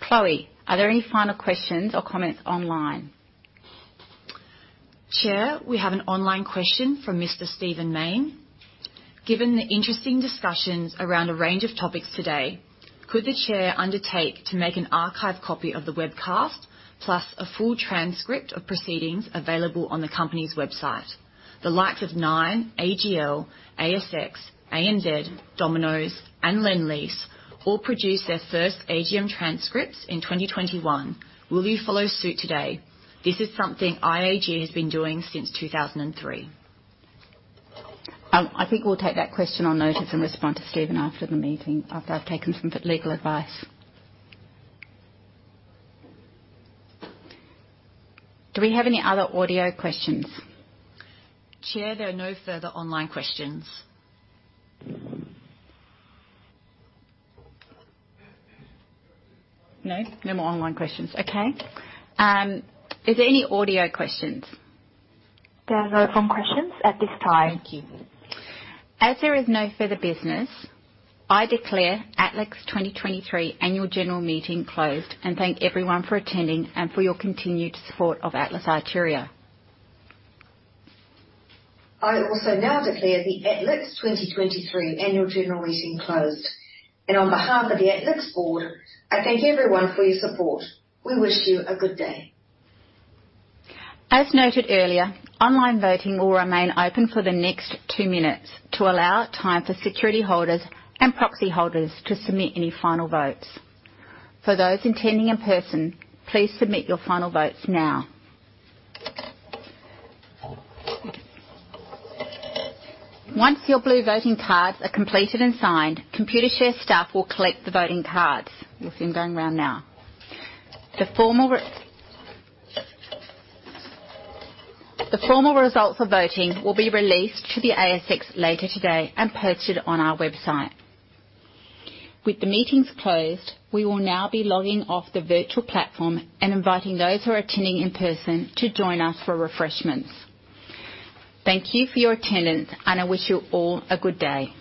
Chloe, are there any final questions or comments online? Chair, we have an online question from Mr. Steven Main. Given the interesting discussions around a range of topics today, could the Chair undertake to make an archive copy of the webcast, plus a full transcript of proceedings available on the company's website? The likes of Nine, AGL, ASX, ANZ, Domino's, and Lendlease all produced their first AGM transcripts in 2021. Will you follow suit today? This is something IAG has been doing since 2003. I think we'll take that question on notice and respond to Steven after the meeting, after I've taken some legal advice. Do we have any other audio questions? Chair, there are no further online questions. No, no more online questions. Is there any audio questions? There are no phone questions at this time. Thank you. As there is no further business, I declare Atlas' 2023 annual general meeting closed and thank everyone for attending and for your continued support of Atlas Arteria. I also now declare the Atlas Arteria 2023 annual general meeting closed. On behalf of the Atlas Arteria board, I thank everyone for your support. We wish you a good day. As noted earlier, online voting will remain open for the next 2 minutes to allow time for security holders and proxy holders to submit any final votes. For those attending in person, please submit your final votes now. Once your blue voting cards are completed and signed, Computershare staff will collect the voting cards. You'll see them going around now. The formal results of voting will be released to the ASX later today and posted on our website. With the meetings closed, we will now be logging off the virtual platform and inviting those who are attending in person to join us for refreshments. Thank you for your attendance, and I wish you all a good day.